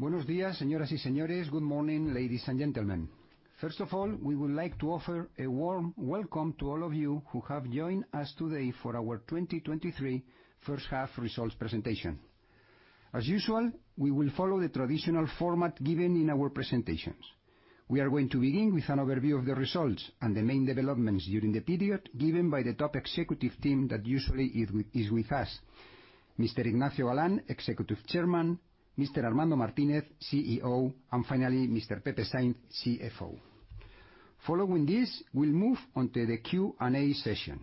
Buenos días, señoras y señores. Good morning, ladies and gentlemen. First of all, we would like to offer a warm welcome to all of you who have joined us today for our 2023 first half results presentation. As usual, we will follow the traditional format given in our presentations. We are going to begin with an overview of the results and the main developments during the period given by the top executive team that usually is with us: Mr. Ignacio Galán, Executive Chairman, Mr. Armando Martínez, CEO, and finally, Mr. Pepe Sainz, CFO. Following this, we'll move on to the Q&A session.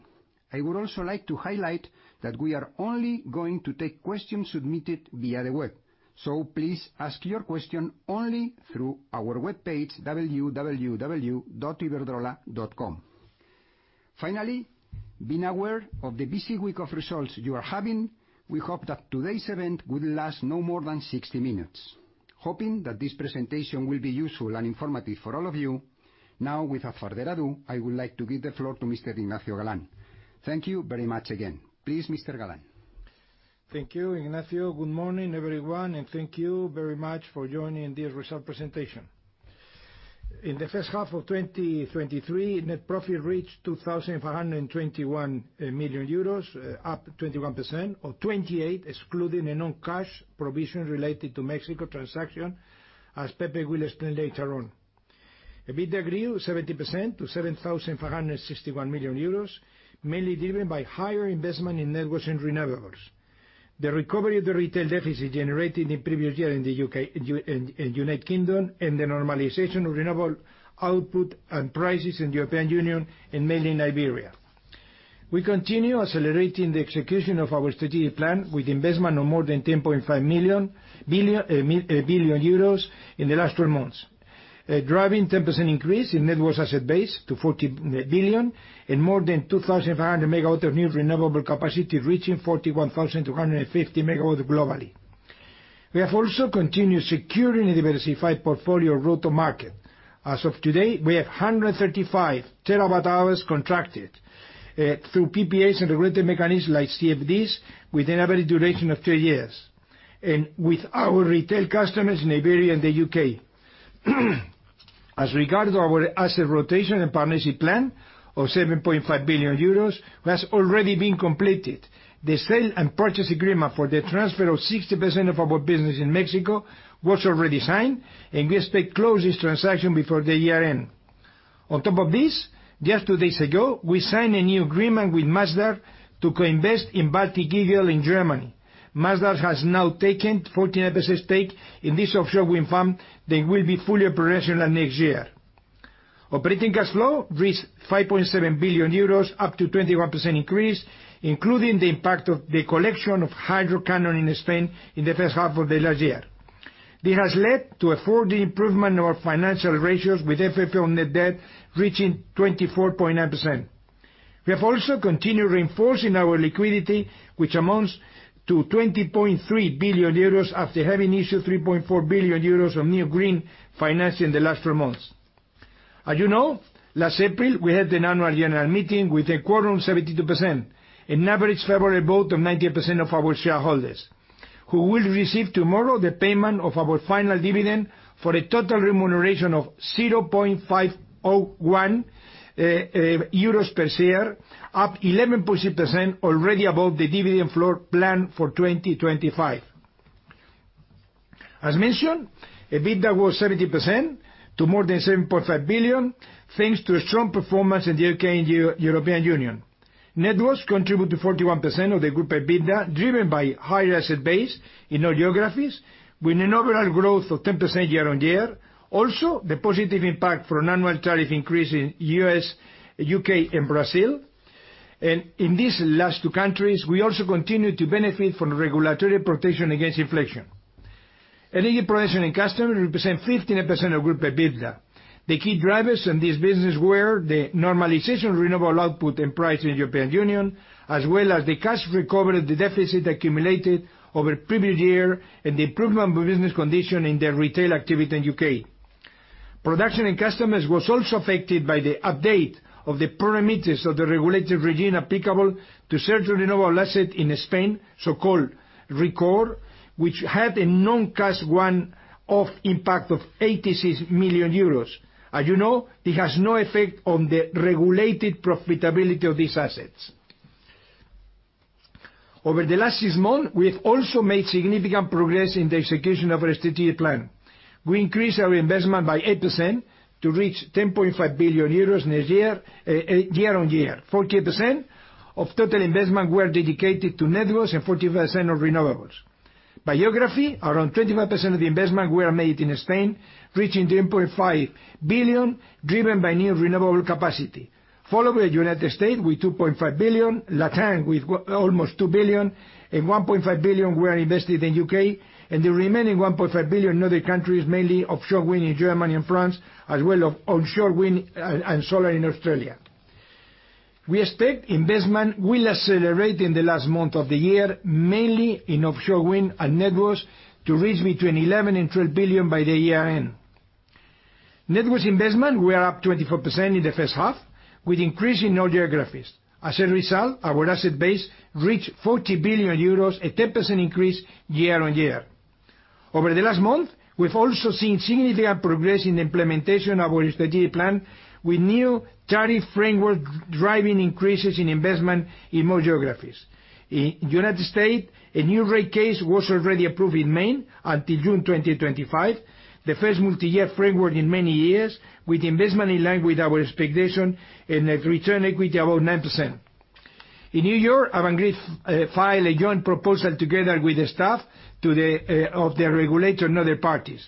I would also like to highlight that we are only going to take questions submitted via the web, so please ask your question only through our webpage, www.iberdrola.com. Finally, being aware of the busy week of results you are having, we hope that today's event will last no more than 60 minutes. Hoping that this presentation will be useful and informative for all of you, now, without further ado, I would like to give the floor to Mr. Ignacio Galán. Thank you very much again. Please, Mr. Galán. Thank you, Ignacio. Good morning, everyone, thank you very much for joining in this result presentation. In the H1 of 2023, net profit reached 2,421 million euros, up 21%, or 28%, excluding a non-cash provision related to Mexico transaction, as Pepe will explain later on. EBITDA grew 70% to 7,461 million euros, mainly driven by higher investment in networks and renewables. The recovery of the retail deficit generated in the previous year in the U.K., in United Kingdom, the normalization of renewable output and prices in the European Union and mainly in Iberia. We continue accelerating the execution of our strategic plan with investment of more than 10.5 million billion euros in the last 12 months, driving 10% increase in net worth asset base to 40 billion and more than 2,500 MW of new renewable capacity, reaching 41,250 MW globally. We have also continued securing a diversified portfolio of rotor market. As of today, we have 135 TWh contracted through PPAs and regulated mechanisms like CfDs with an average duration of two years, and with our retail customers in Iberia and the UK. As regards to our asset rotation and partnership plan of 7.5 billion euros has already been completed. The sale and purchase agreement for the transfer of 60% of our business in Mexico was already signed. We expect to close this transaction before the year end. On top of this, just two days ago, we signed a new agreement with Masdar to co-invest in Baltic Eagle in Germany. Masdar has now taken 14% stake in this offshore wind farm that will be fully operational next year. Operating cash flow reached 5.7 billion euros, up to 21% increase, including the impact of the collection of hydro canon in Spain in the H1 of the last year. This has led to a further improvement of our financial ratios, with FFO net debt reaching 24.9%. We have also continued reinforcing our liquidity, which amounts to 20.3 billion euros after having issued 3.4 billion euros of new green financing in the last four months. As you know, last April, we had the annual general meeting with a quorum of 72%, an average favorable vote of 90% of our shareholders, who will receive tomorrow the payment of our final dividend for a total remuneration of 0.501 euros per share, up 11.6% already above the dividend floor planned for 2025. As mentioned, EBITDA was 70% to more than 7.5 billion, thanks to a strong performance in the UK and European Union. Networks contribute to 41% of the group EBITDA, driven by higher asset base in all geographies, with an overall growth of 10% year-on-year. The positive impact from an annual tariff increase in the U.S., U.K., and Brazil. In these last two countries, we also continue to benefit from regulatory protection against inflation. Energy production and customers represent 15% of group EBITDA. The key drivers in this business were the normalization of renewable output and price in European Union, as well as the cash recovery, the deficit accumulated over previous year, and the improvement of business condition in the retail activity in the U.K. Production in customers was also affected by the update of the parameters of the regulated regime applicable to certain renewable asset in Spain, so-called RECORE, which had a non-cash one-off impact of 86 million euros. As you know, it has no effect on the regulated profitability of these assets. Over the last six months, we have also made significant progress in the execution of our strategic plan. We increased our investment by 8% to reach 10.5 billion euros next year-on-year. 40% of total investment were dedicated to networks and 40% on renewables. By geography, around 25% of the investment were made in Spain, reaching 3.5 billion, driven by new renewable capacity. Followed by United States, with 2.5 billion, Latam with almost 2 billion, and 1.5 billion were invested in U.K., and the remaining 1.5 billion in other countries, mainly offshore wind in Germany and France, as well of onshore wind and solar in Australia. We expect investment will accelerate in the last month of the year, mainly in offshore wind and networks, to reach between 11 billion and 12 billion by the year end. Networks investment were up 24% in the H1, with increase in all geographies. As a result, our asset base reached 40 billion euros, a 10% increase year-on-year. Over the last month, we've also seen significant progress in the implementation of our strategic plan, with new tariff framework driving increases in investment in more geographies. In United States, a new rate case was already approved in Maine until June 2025, the first multi-year framework in many years, with investment in line with our expectation and a return equity about 9%. In New York, Avangrid filed a joint proposal together with the staff to the of the regulator and other parties.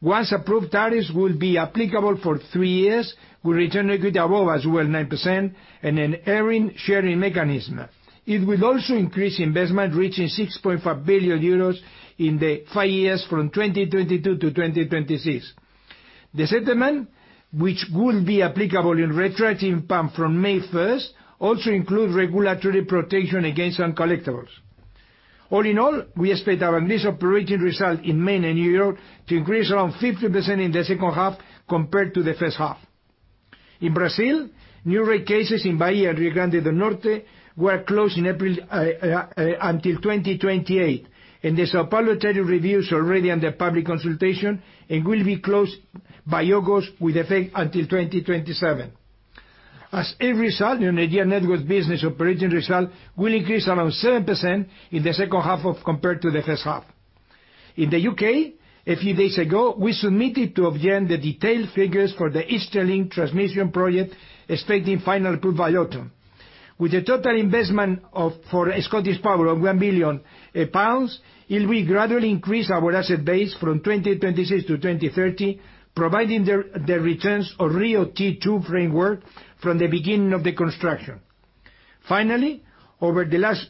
Once approved, tariffs will be applicable for three years, with return equity above as well 9% and an earnings sharing mechanism. It will also increase investment, reaching 6.5 billion euros in the five years from 2022 to 2026. The settlement, which will be applicable in retroactive pump from May 1st, also include regulatory protection against uncollectibles. All in all, we expect our lease operating result in Maine and New York to increase around 50% in the H2 compared to the H1. In Brazil, new rate cases in Bahia and Rio Grande do Norte were closed in April until 2028, and the supplementary reviews are already under public consultation and will be closed by August, with effect until 2027. As a result, our Neoenergia networks business operating result will increase around 7% in the H2 of compared to the H1. In the U.K., a few days ago, we submitted to Ofgem the detailed figures for the East Link transmission project, expecting final approval by autumn. With a total investment for ScottishPower of 1 billion pounds, it will gradually increase our asset base from 2026 to 2030, providing the returns of RIIO-T2 framework from the beginning of the construction. Over the last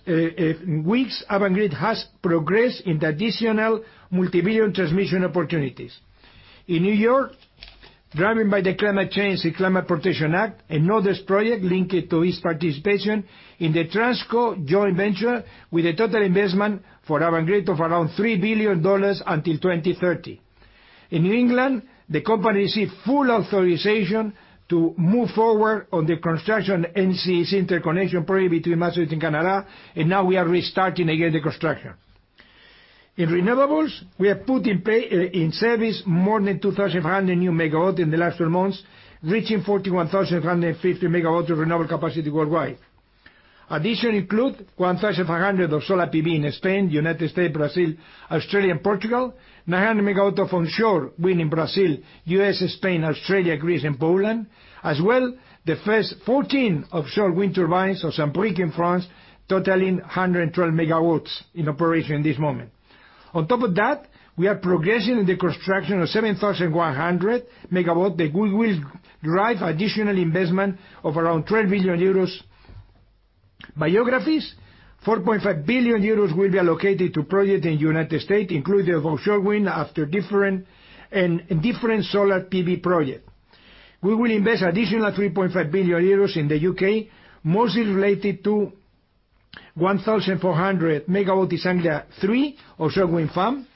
weeks, Avangrid has progressed in additional multi-billion transmission opportunities. In New York, driven by the Climate Leadership and Community Protection Act, another project linked to its participation in the Transco joint venture, with a total investment for Avangrid of around $3 billion until 2030. In New England, the company received full authorization to move forward on the construction of NECEC interconnection project between Massachusetts and Canada, and now we are restarting again the construction. In renewables, we have put in pay in service more than 2,500 new megawatt in the last 12 months, reaching 41,550 MW of renewable capacity worldwide. Addition include 1,500 of solar PV in Spain, United States, Brazil, Australia, and Portugal, 900 MW of onshore wind in Brazil, US, Spain, Australia, Greece, and Poland, as well, the first 14 offshore wind turbines of Saint-Brieuc in France, totaling 112 MW in operation in this moment. On top of that, we are progressing in the construction of 7,100 MW that we will drive additional investment of around 12 billion euros. Biographies, 4.5 billion euros will be allocated to project in United States, including offshore wind after different and different solar PV project. We will invest additional 3.5 billion euros in the UK, mostly related to 1,400 MWs in Anglia Three offshore wind farm.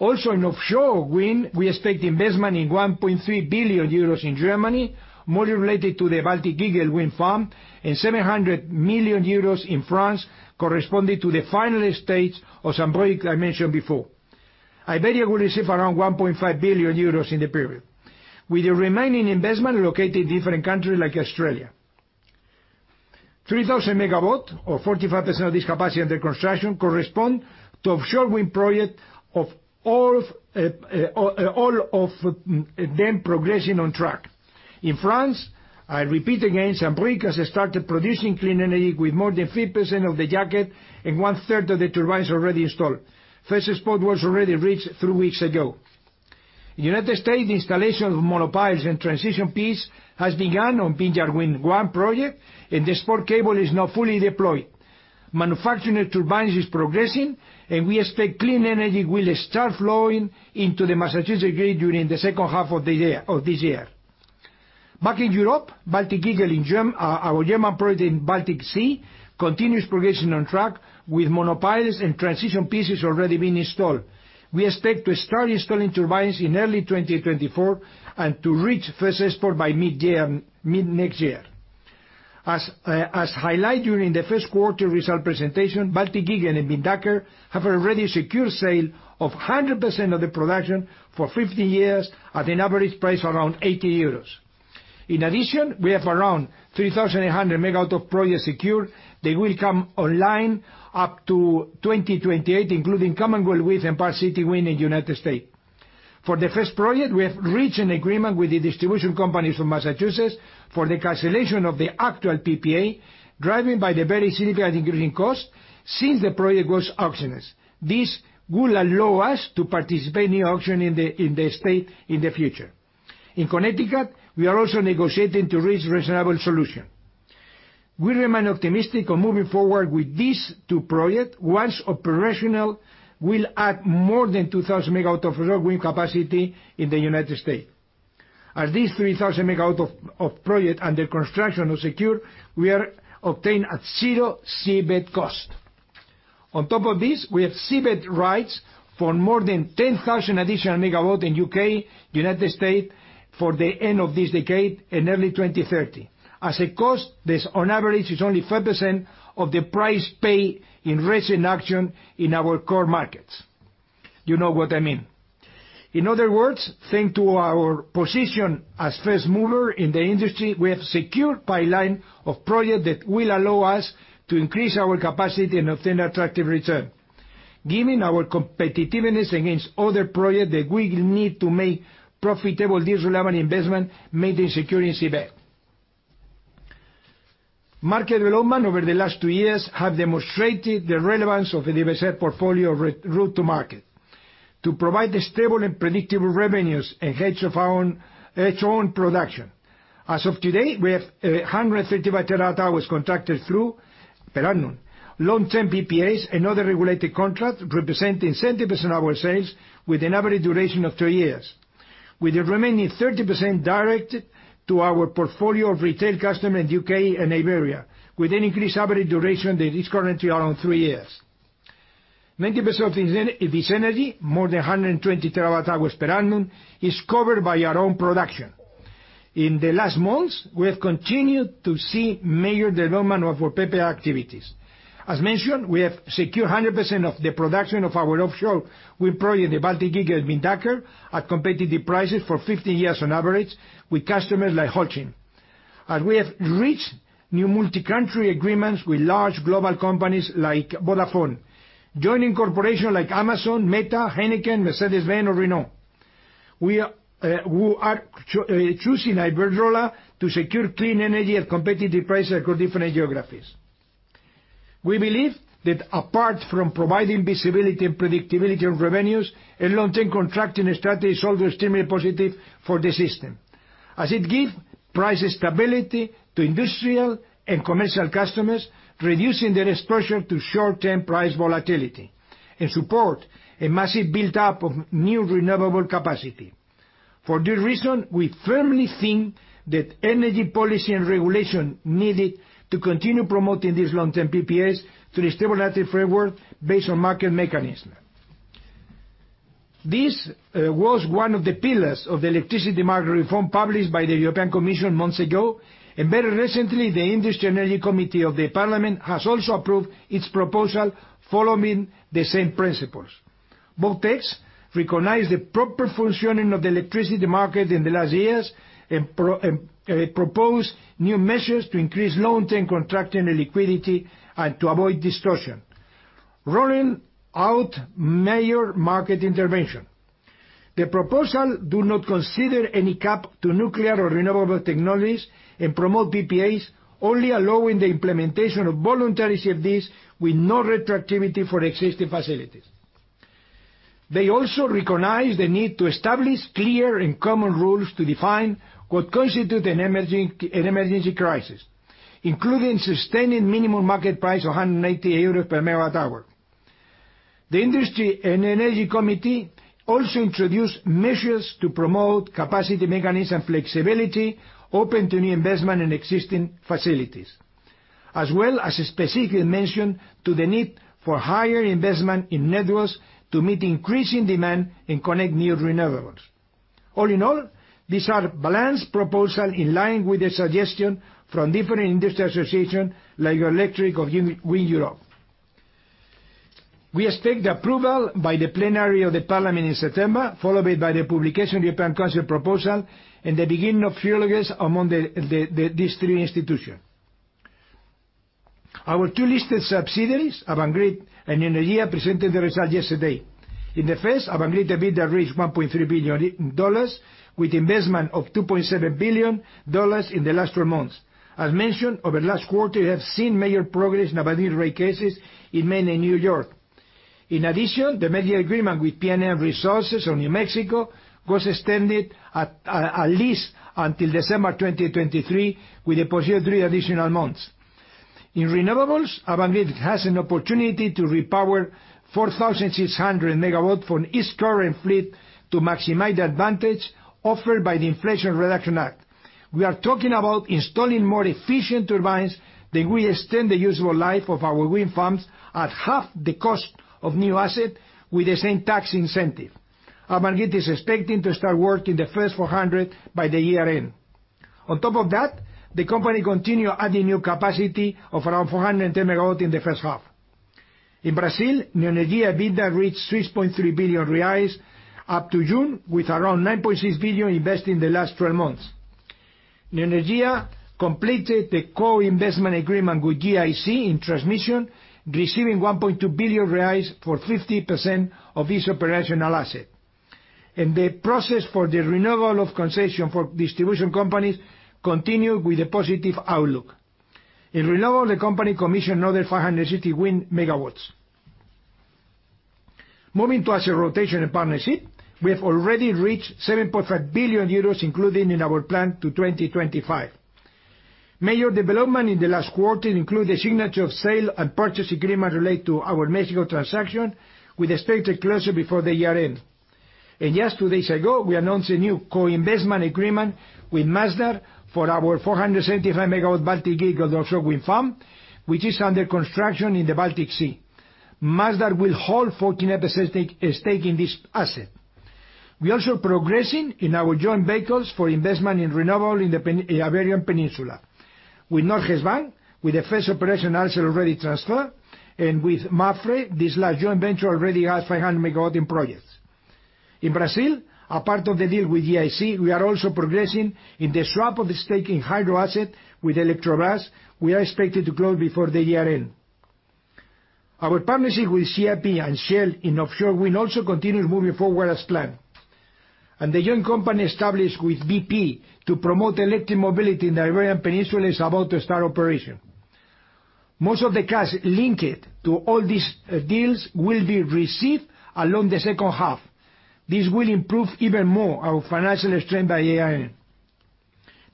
In offshore wind, we expect investment in 1.3 billion euros in Germany, mostly related to the Baltic Eagle wind farm, and 700 million euros in France, corresponding to the final stage of Saint-Brieuc I mentioned before. Iberia will receive around 1.5 billion euros in the period, with the remaining investment located in different countries, like Australia. 3,000 MWs, or 45% of this capacity under construction, correspond to offshore wind project of all of them progressing on track. In France, I repeat again, Saint-Brieuc has started producing clean energy with more than 50% of the jacket and one-third of the turbines already installed. First export was already reached three weeks ago. United States, installation of monopiles and transition piece has begun on Vineyard Wind 1 project, and the export cable is now fully deployed. Manufacturing of turbines is progressing, and we expect clean energy will start flowing into the Massachusetts grid during the H2 of the year, of this year. Back in Europe, Baltic Eagle, our German project in Baltic Sea, continues progressing on track with monopiles and transition pieces already being installed. We expect to start installing turbines in early 2024 and to reach first export by midyear, mid-next year. As highlighted during the Q1 result presentation, Baltic Eagle and Windanker have already secured sale of 100% of the production for 15 years at an average price around 80 euros. In addition, we have around 3,800 MW of project secured. They will come online up to 2028, including Commonwealth Wind and Park City Wind in United States. For the first project, we have reached an agreement with the distribution companies from Massachusetts for the cancellation of the actual PPA, driven by the very significant increasing cost since the project was auctioned. This will allow us to participate in the auction in the state in the future. In Connecticut, we are also negotiating to reach reasonable solution. We remain optimistic on moving forward with these two project. Once operational, we'll add more than 2,000 MW of offshore wind capacity in the United States. As these 3,000 MW of project under construction are secured, we are obtained at zero seabed cost. On top of this, we have seabed rights for more than 10,000 additional megawatt in U.K., U.S., for the end of this decade and early 2030. As a cost, this on average, is only 5% of the price paid in recent auction in our core markets. You know what I mean. In other words, thanks to our position as first mover in the industry, we have secured pipeline of projects that will allow us to increase our capacity and obtain attractive return. Given our competitiveness against other projects that we need to make profitable, this relevant investment made in securing seabed. Market development over the last two years have demonstrated the relevance of the Iberdrola portfolio re- route to market, to provide the stable and predictable revenues and hedge of our own, hedge own production. As of today, we have 155 TWh contracted through per annum, long-term PPAs, another regulated contract representing 70% of our sales with an average duration of two years, with the remaining 30% direct to our portfolio of retail customer in U.K. and Iberia, with an increased average duration that is currently around three years. 90% of this energy, more than 120 TW hours per annum, is covered by our own production. In the last months, we have continued to see major development of our PPA activities. As mentioned, we have secured 100% of the production of our offshore wind project, the Baltic Eagle and Windanker, at competitive prices for 15 years on average with customers like Holcim. We have reached new multi-country agreements with large global companies like Vodafone, joining corporations like Amazon, Meta, Heineken, Mercedes-Benz or Renault. We are who are choosing Iberdrola to secure clean energy at competitive prices across different geographies. We believe that apart from providing visibility and predictability of revenues, a long-term contracting strategy is always extremely positive for the system, as it give price stability to industrial and commercial customers, reducing their exposure to short-term price volatility, and support a massive build-up of new renewable capacity. For this reason, we firmly think that energy policy and regulation needed to continue promoting these long-term PPAs through a stable regulatory framework based on market mechanism. This was 1 of the pillars of the electricity market reform published by the European Commission months ago. Very recently, the Industry and Energy Committee of the Parliament has also approved its proposal, following the same principles. Both texts recognize the proper functioning of the electricity market in the last years, propose new measures to increase long-term contracting and liquidity and to avoid distortion, rolling out major market intervention. The proposal do not consider any cap to nuclear or renewable technologies and promote PPAs, only allowing the implementation of voluntary CfDs with no retroactivity for existing facilities. They also recognize the need to establish clear and common rules to define what constitutes an emergency crisis, including sustaining minimum market price of 180 euros per MW hour. The Industry and Energy Committee also introduced measures to promote capacity, mechanism, flexibility, open to new investment in existing facilities, as well as a specific mention to the need for higher investment in networks to meet increasing demand and connect new renewables. All in all, these are balanced proposal in line with the suggestion from different industry association, like Eurelectric or WindEurope. We expect the approval by the plenary of the Parliament in September, followed by the publication of the European Council proposal and the beginning of trilogues among these three institutions. Our two listed subsidiaries, Avangrid and Neoenergia, presented the results yesterday. In the first, Avangrid, EBITDA reached $1.3 billion, with investment of $2.7 billion in the last three months. As mentioned, over the last quarter, we have seen major progress in our rate cases in Maine and New York. In addition, the media agreement with PNM Resources on New Mexico was extended at least until December 2023, with a possible three additional months. In renewables, Avangrid has an opportunity to repower 4,600 MW from its current fleet to maximize the advantage offered by the Inflation Reduction Act. We are talking about installing more efficient turbines, then we extend the usable life of our wind farms at half the cost of new asset with the same tax incentive. Avangrid is expecting to start work in the first 400 by the year-end. On top of that, the company continue adding new capacity of around 410 MW in the H1. In Brazil, Neoenergia EBITDA reached 3.3 billion reais up to June, with around 9.6 billion invested in the last 12 months. Neoenergia completed the co-investment agreement with GIC in transmission, receiving 1.2 billion reais for 50% of its operational asset. The process for the renewal of concession for distribution companies continued with a positive outlook. In renewable, the company commissioned another 500 city wind megawatts. Moving to asset rotation and partnership, we have already reached 7.5 billion euros, including in our plan to 2025. Major development in the last quarter include the signature of sale and purchase agreement related to our Mexico transaction, with expected closure before the year-end. Just two days ago, we announced a new co-investment agreement with Masdar for our 475 MW Baltic Eagle offshore wind farm, which is under construction in the Baltic Sea. Masdar will hold 14% stake, at stake in this asset. We're also progressing in our joint vehicles for investment in renewable in the Iberian Peninsula. With Norges Bank, with the first operation asset already transferred, and with Mapfre, this last joint venture already has 500 MW in projects. In Brazil, apart of the deal with GIC, we are also progressing in the swap of the stake in hydro asset with Eletrobras. We are expected to close before the year end. Our partnership with CIP and Shell in offshore wind also continues moving forward as planned. The joint company established with BP to promote electric mobility in the Iberian Peninsula is about to start operation. Most of the cash linked to all these deals will be received along the H2. This will improve even more our financial strength by year end.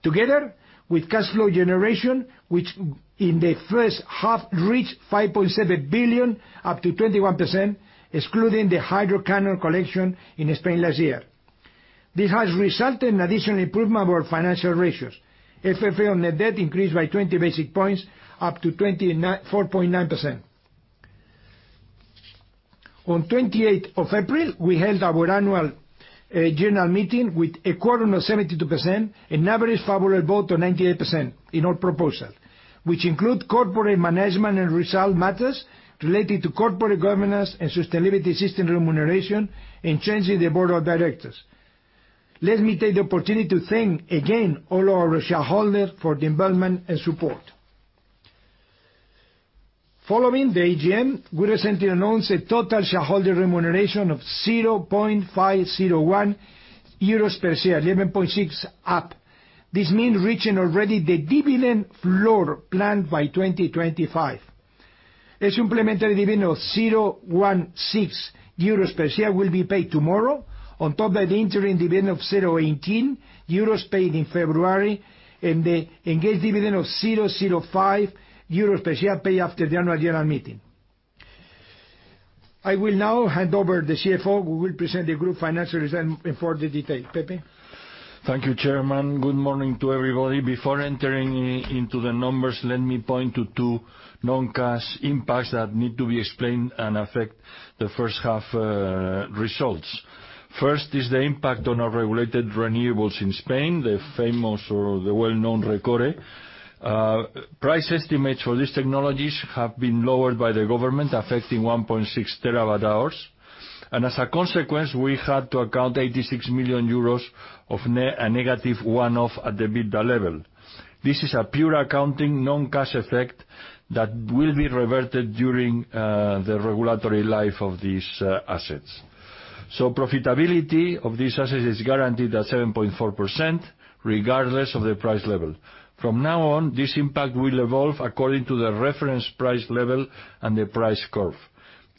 Together with cash flow generation, which in the H1 reached 5.7 billion, up to 21%, excluding the hydro canon collection in Spain last year. This has resulted in additional improvement of our financial ratios. FFO net debt increased by 20 basic points, up to 29.49%. On April 28, we held our annual general meeting with a quorum of 72% and an average favorable vote of 98% in all proposals, which include corporate management and result matters related to corporate governance and sustainability, system remuneration, and changing the board of directors. Let me take the opportunity to thank again all our shareholders for the involvement and support. Following the AGM, we recently announced a total shareholder remuneration of 0.501 euros per share, 11.6% up. This means reaching already the dividend floor planned by 2025. A supplementary dividend of EUR 0.016 per share will be paid tomorrow, on top of the interim dividend of 0.018 euros paid in February, and the engaged dividend of 0.005 euros per share paid after the annual general meeting. I will now hand over the CFO, who will present the group financial results in further detail. Pepe? Thank you, Chairman. Good morning to everybody. Before entering into the numbers, let me point to 2 non-cash impacts that need to be explained and affect the H1 results. First is the impact on our regulated renewables in Spain, the famous or the well-known RECORE. Price estimates for these technologies have been lowered by the government, affecting 1.6 TWh, and as a consequence, we had to account 86 million euros of a negative one-off at the EBITDA level. This is a pure accounting, non-cash effect that will be reverted during the regulatory life of these assets. Profitability of these assets is guaranteed at 7.4%, regardless of the price level. From now on, this impact will evolve according to the reference price level and the price curve.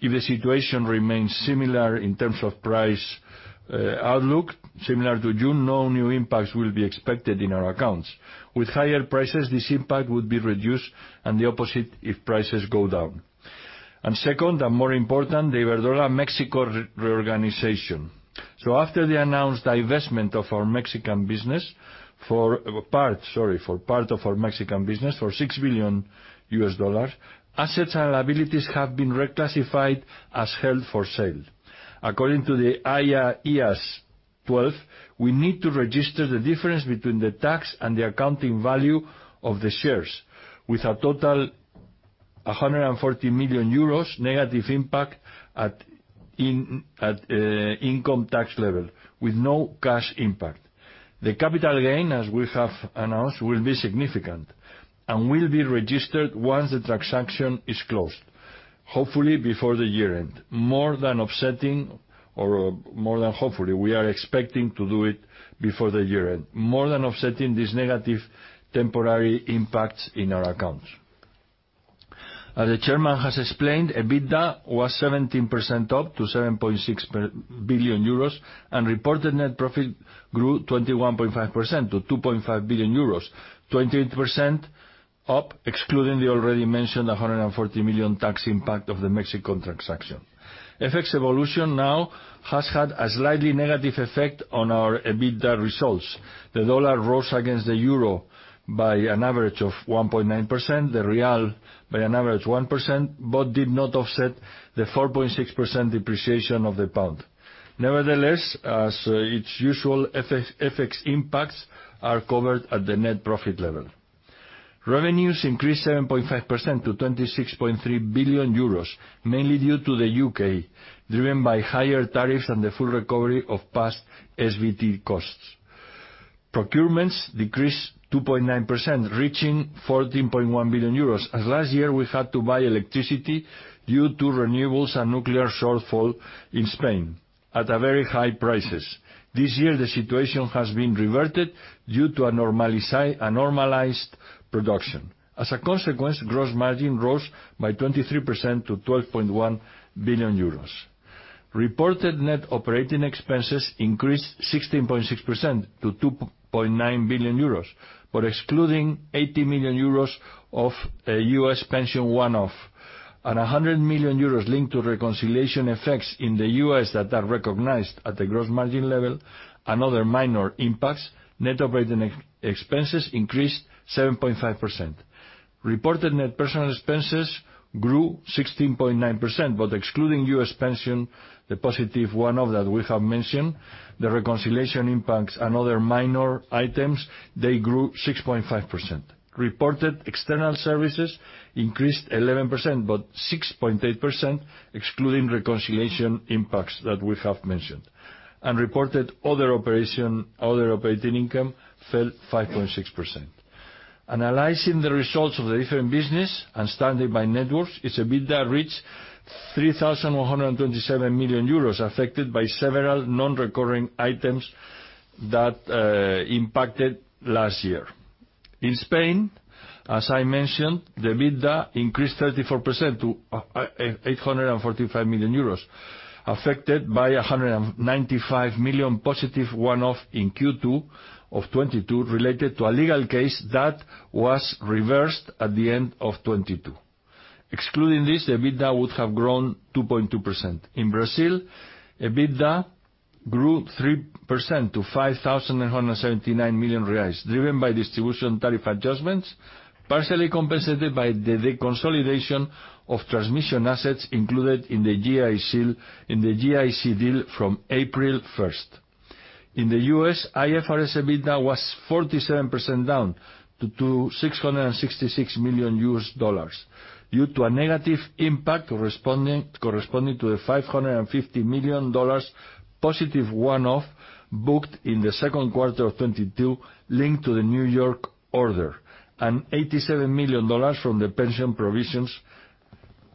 If the situation remains similar in terms of price outlook, similar to June, no new impacts will be expected in our accounts. With higher prices, this impact would be reduced, and the opposite if prices go down. Second, and more important, the Iberdrola México reorganization. After the announced divestment of our Mexican business, sorry, for part of our Mexican business, for $6 billion, assets and liabilities have been reclassified as held for sale. According to IAS 12, we need to register the difference between the tax and the accounting value of the shares, with a total 140 million euros negative impact at income tax level, with no cash impact. The capital gain, as we have announced, will be significant and will be registered once the transaction is closed, hopefully before the year end. More than offsetting or more than hopefully, we are expecting to do it before the year end, more than offsetting these negative temporary impacts in our accounts. As the Chairman has explained, EBITDA was 17% up to 7.6 per billion, and reported net profit grew 21.5% to 2.5 billion euros, 28% up, excluding the already mentioned 140 million tax impact of the Mexican transaction. FX evolution now has had a slightly negative effect on our EBITDA results. The dollar rose against the euro by an average of 1.9%, the real by an average 1%, but did not offset the 4.6% depreciation of the pound. Nevertheless, as its usual FX impacts are covered at the net profit level. Revenues increased 7.5% to 26.3 billion euros, mainly due to the U.K., driven by higher tariffs and the full recovery of past SVT costs. Procurements decreased 2.9%, reaching 14.1 billion euros, as last year we had to buy electricity due to renewables and nuclear shortfall in Spain at very high prices. This year, the situation has been reverted due to a normalized production. As a consequence, gross margin rose by 23% to 12.1 billion euros. Reported net operating expenses increased 16.6% to 2.9 billion euros. Excluding 80 million euros of a U.S. pension one-off and 100 million euros linked to reconciliation effects in the U.S. that are recognized at the gross margin level, another minor impacts, net operating ex-expenses increased 7.5%. Reported net personal expenses grew 16.9%, but excluding U.S. pension, the positive one-off that we have mentioned, the reconciliation impacts and other minor items, they grew 6.5%. Reported external services increased 11%, but 6.8%, excluding reconciliation impacts that we have mentioned. Reported other operating income fell 5.6%. Analyzing the results of the different business and standing by networks, its EBITDA reached 3,127 million euros, affected by several non-recurring items that impacted last year. In Spain, as I mentioned, the EBITDA increased 34% to 845 million euros, affected by 195 million positive one-off in Q2 of 2022, related to a legal case that was reversed at the end of 2022. Excluding this, EBITDA would have grown 2.2%. In Brazil, EBITDA grew 3% to 5,179 million reais, driven by distribution tariff adjustments, partially compensated by the deconsolidation of transmission assets included in the GIC deal from April 1st. In the U.S., IFRS EBITDA was 47% down to $666 million, due to a negative impact corresponding to the $550 million positive one-off, booked in the Q2 of 2022, linked to the New York order, and $87 million from the pension provisions.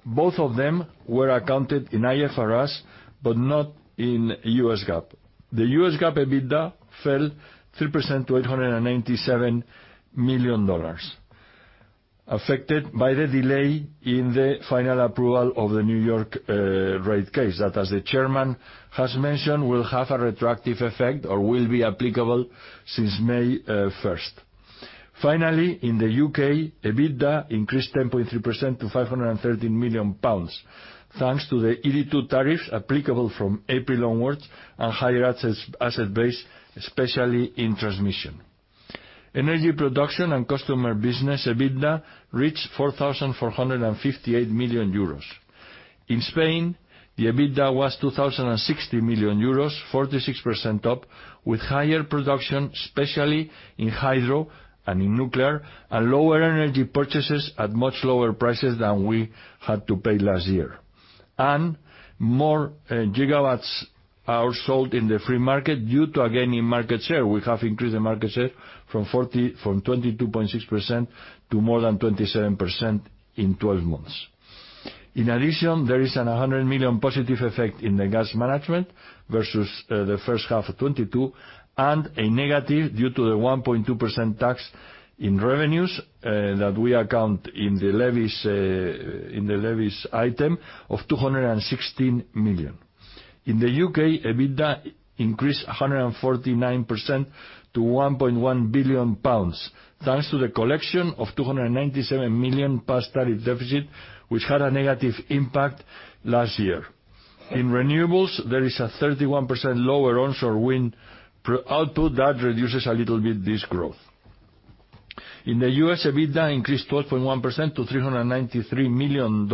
Both of them were accounted in IFRS, but not in U.S. GAAP. The US GAAP EBITDA fell 3% to $897 million, affected by the delay in the final approval of the New York rate case, that, as the chairman has mentioned, will have a retroactive effect or will be applicable since May 1st. Finally, in the U.K., EBITDA increased 10.3% to 513 million pounds, thanks to the 82 tariffs applicable from April onwards and higher asset base, especially in transmission. Energy production and customer business EBITDA reached 4,458 million euros. In Spain, the EBITDA was 2,060 million euros, 46% up, with higher production, especially in hydro and in nuclear, and lower energy purchases at much lower prices than we had to pay last year. More gigawatts are sold in the free market due to a gain in market share. We have increased the market share from 22.6% to more than 27% in 12 months. In addition, there is an 100 million positive effect in the gas management versus the H1 of 2022, and a negative due to the 1.2% tax in revenues that we account in the levies item of 216 million. In the U.K., EBITDA increased 149% to 1.1 billion pounds, thanks to the collection of 297 million GBP past tariff deficit, which had a negative impact last year. In renewables, there is a 31% lower onshore wind output that reduces a little bit this growth. In the U.S., EBITDA increased 12.1% to $393 million,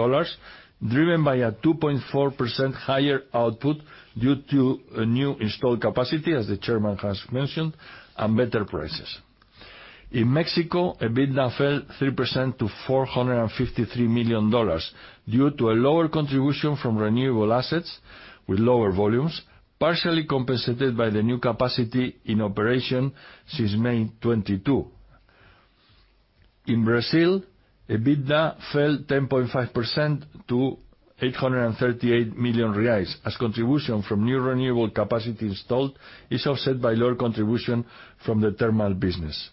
driven by a 2.4% higher output due to a new installed capacity, as the Chairman has mentioned, and better prices. In Mexico, EBITDA fell 3% to $453 million due to a lower contribution from renewable assets with lower volumes, partially compensated by the new capacity in operation since May 2022. In Brazil, EBITDA fell 10.5% to 838 million reais, as contribution from new renewable capacity installed is offset by lower contribution from the thermal business.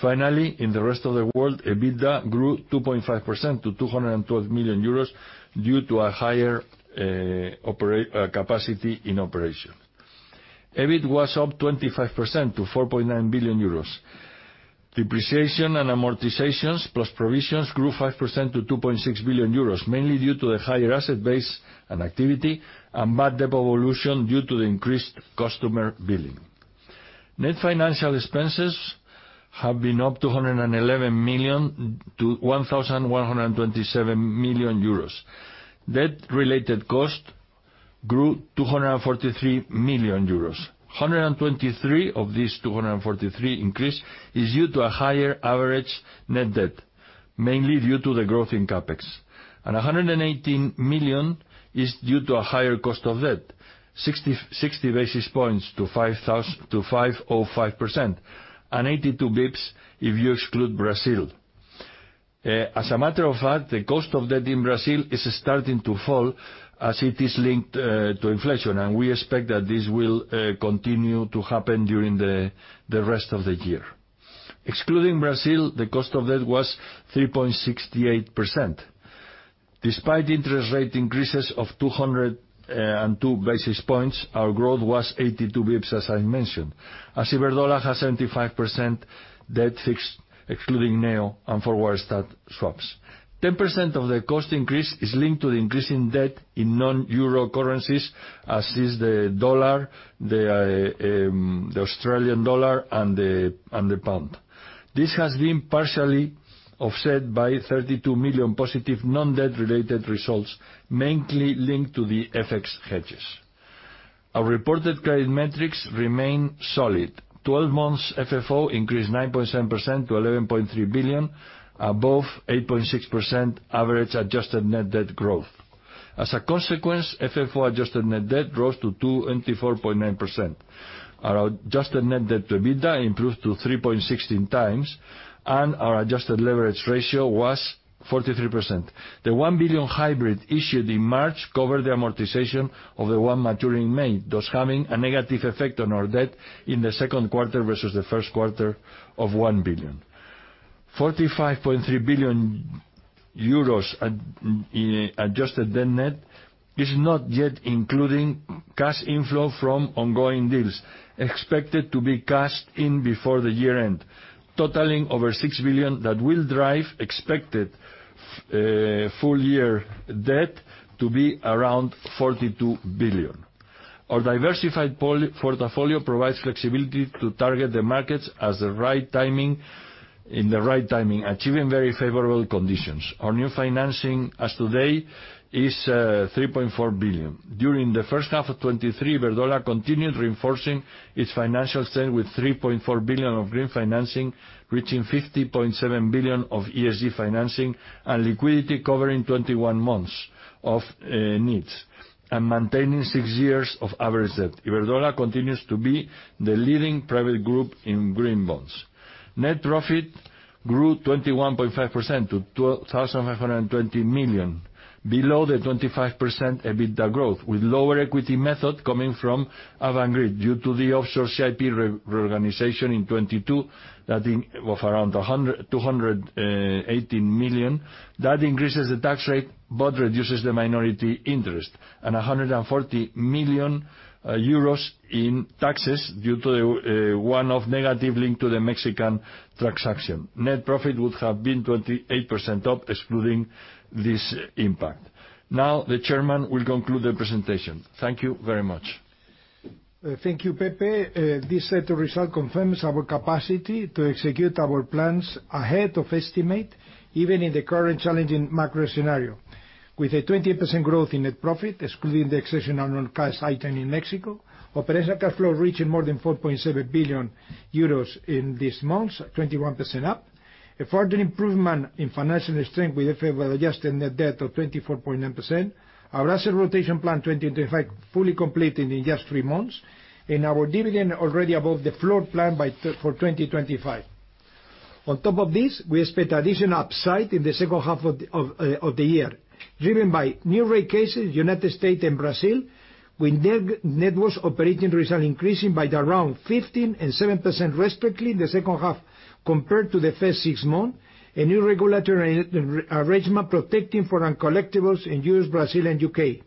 Finally, in the rest of the world, EBITDA grew 2.5% to 212 million euros due to a higher operate capacity in operation. EBIT was up 25% to 4.9 billion euros. Depreciation and amortizations plus provisions grew 5% to 2.6 billion euros, mainly due to the higher asset base and activity, and bad debt evolution due to the increased customer billing. Net financial expenses have been up to 111 million to 1,127 million euros. Debt related cost grew 243 million euros. 123 of this 243 increase is due to a higher average net debt, mainly due to the growth in CapEx. 118 million is due to a higher cost of debt, 60 basis points to 5.05%, and 82 basis points, if you exclude Brazil. As a matter of fact, the cost of debt in Brazil is starting to fall as it is linked to inflation, and we expect that this will continue to happen during the rest of the year. Excluding Brazil, the cost of debt was 3.68%. Despite interest rate increases of 202 basis points, our growth was 82 bps, as I mentioned, as Iberdrola has 75% debt fixed, excluding Neo and forward start swaps. 10% of the cost increase is linked to the increase in debt in non-euro currencies, as is the dollar, the Australian dollar, and the pound. This has been partially offset by 32 million positive non-debt related results, mainly linked to the FX hedges. Our reported credit metrics remain solid. 12 months FFO increased 9.7% to 11.3 billion, above 8.6% average adjusted net debt growth. As a consequence, FFO adjusted net debt rose to 2% and 4.9%. Our adjusted net debt to EBITDA improved to 3.16x, and our adjusted leverage ratio was 43%. The 1 billion hybrid issued in March covered the amortization of the one maturing May, thus having a negative effect on our debt in the Q2 versus the Q1 of 1 billion. 45.3 billion euros in adjusted debt net is not yet including cash inflow from ongoing deals, expected to be cashed in before the year end, totaling over 6 billion that will drive expected full year debt to be around 42 billion. Our diversified portfolio provides flexibility to target the markets as the right timing, in the right timing, achieving very favorable conditions. Our new financing, as today, is 3.4 billion. During the H1 of 2023, Iberdrola continued reinforcing its financial strength with 3.4 billion of green financing, reaching 50.7 billion of ESG financing, and liquidity covering 21 months of needs, and maintaining six years of average debt. Iberdrola continues to be the leading private group in green bonds. Net profit grew 21.5% to 2,520 million, below the 25% EBITDA growth, with lower equity method coming from Avangrid due to the offshore CIP reorganization in 2022, that of around 18 million. That increases the tax rate, but reduces the minority interest, and 140 million euros in taxes due to the one of negative linked to the Mexican transaction. Net profit would have been 28% up, excluding this impact. Now, the chairman will conclude the presentation. Thank you very much. Thank you, Pepe. This set of result confirms our capacity to execute our plans ahead of estimate, even in the current challenging macro scenario. With a 20% growth in net profit, excluding the exceptional non-cash item in Mexico, operational cash flow reaching more than 4.7 billion euros in these months, 21% up, a further improvement in financial strength with a favorable adjusted net debt of 24.9%, our asset rotation plan, 20% into 5%, fully completed in just 3 months, and our dividend already above the floor plan for 2025. On top of this, we expect additional upside in the H2 of the year, driven by new rate cases, United States and Brazil, with networks operating result increasing by around 15% and 7%, respectively, in the H2, compared to the first six months, a new regulatory arrangement protecting foreign collectibles in U.S., Brazil, and U.K.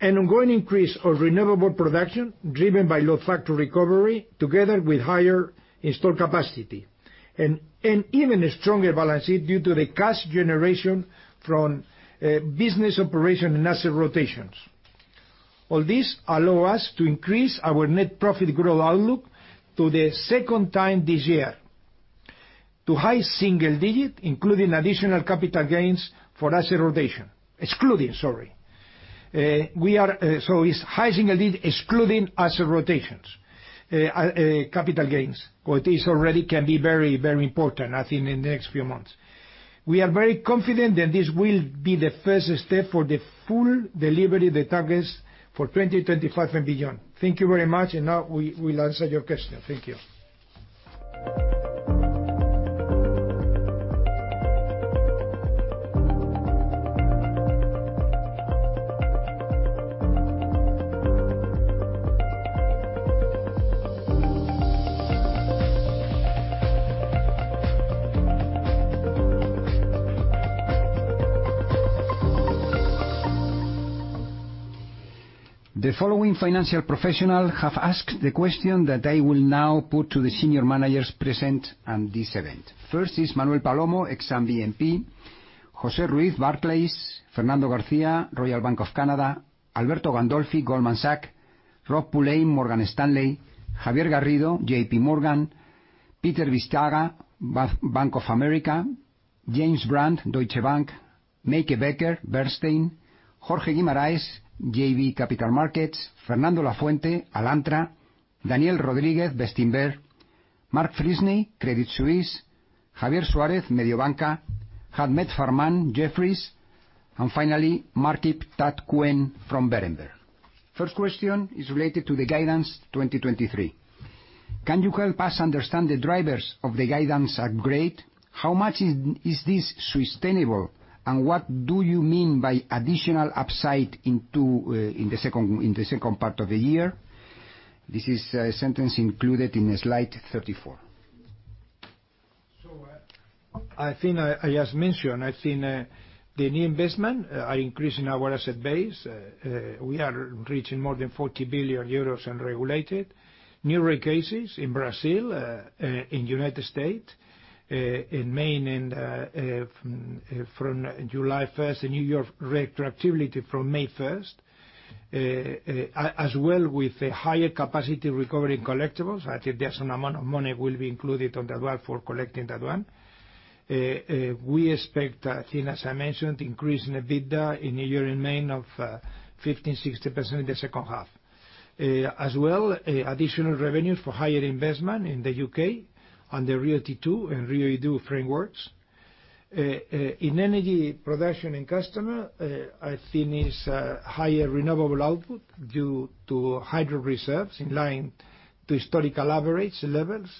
An ongoing increase of renewable production, driven by load factor recovery, together with higher installed capacity, and even a stronger balance sheet due to the cash generation from business operation and asset rotations. All this allow us to increase our net profit growth outlook to the second time this year, to high single digit, including additional capital gains for asset rotation. Excluding, sorry. So it's high single digit, excluding asset rotations, capital gains. This already can be very, very important, I think, in the next few months. We are very confident that this will be the first step for the full delivery of the targets for 2025 and beyond. Thank you very much, and now we will answer your questions. Thank you. The following financial professional have asked the question that I will now put to the senior managers present on this event. First is Manuel Palomo, Exane BNP, Jose Ruiz, Barclays, Fernando Garcia, Royal Bank of Canada, Alberto Gandolfi, Goldman Sachs, Rob Pulleyn, Morgan Stanley, Javier Garrido, JP Morgan, Peter Bisztyga, Bank of America, James Brand, Deutsche Bank, Meike Becker, Berenberg, Jorge Guimarães, JB Capital Markets, Fernando Lafuente, Alantra, Daniel Rodríguez, Bestinver, Mark Freshney, Credit Suisse, Javier Suárez, Mediobanca, Ahmed Farman, Jefferies, and finally, Markip Tatkwen from Berenberg. First question is related to the guidance 2023. Can you help us understand the drivers of the guidance upgrade? How much is this sustainable, and what do you mean by additional upside in the second part of the year? This is a sentence included in slide 34. I think I just mentioned, the new investment are increasing our asset base. We are reaching more than 40 billion euros unregulated. New rate cases in Brazil, in United States, in Maine, from July 1st, in New York, retroactivity from May 1st. As well, with a higher capacity recovery collectibles, I think there's an amount of money will be included on that one for collecting that one. We expect, I think, as I mentioned, increase in EBITDA in the year in Maine of 15%-60% in the H2. As well, additional revenues for higher investment in the UK on the RIIO-2 and RIIO-2 frameworks. In energy production and customer, I think is higher renewable output due to hydro reserves in line to historical average levels.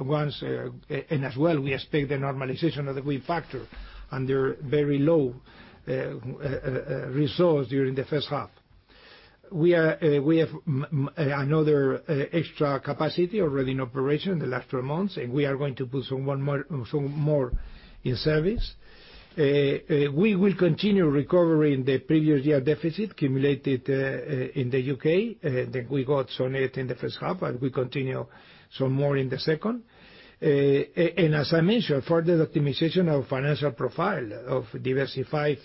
As well, we expect the normalization of the wind factor and their very low resource during the H1. We are, we have another extra capacity already in operation in the last three months, and we are going to put some, one more, some more in service. We will continue recovering the previous year deficit accumulated in the UK, that we got some it in the H1, and we continue some more in the second. As I mentioned, further optimization of financial profile of diversified,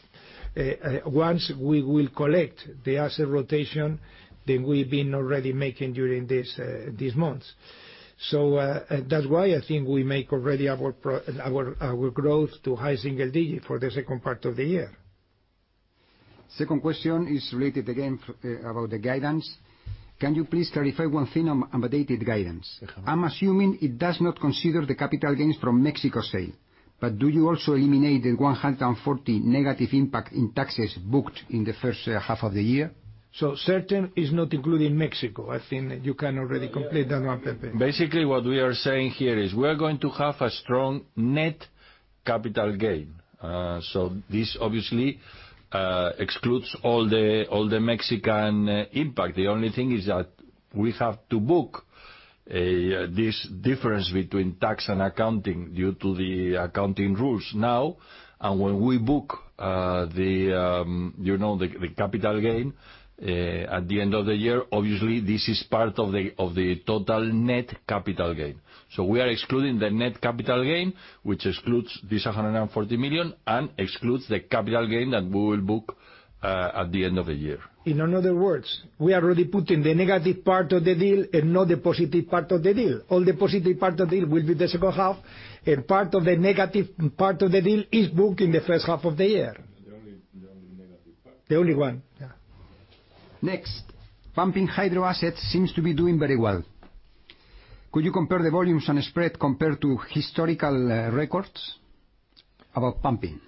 once we will collect the asset rotation that we've been already making during these months. That's why I think we make already our growth to high single digit for the second part of the year. Second question is related again about the guidance. Can you please clarify one thing on updated guidance? I'm assuming it does not consider the capital gains from Mexico sale, but do you also eliminate the 140 negative impact in taxes booked in the H1 of the year? Certain is not included in Mexico. I think you can already complete that one, Pepe. Basically, what we are saying here is we're going to have a strong net capital gain. This obviously excludes all the Mexican impact. The only thing is that we have to book this difference between tax and accounting due to the accounting rules now. When we book, you know, the capital gain at the end of the year, obviously, this is part of the total net capital gain. We are excluding the net capital gain, which excludes this 140 million and excludes the capital gain that we will book at the end of the year. In other words, we are already putting the negative part of the deal and not the positive part of the deal. All the positive part of the deal will be the H2. Part of the negative part of the deal is booked in the H1 of the year. The only negative part. The only one, yeah. Pumping hydro assets seems to be doing very well. Could you compare the volumes and spread compared to historical records about pumping?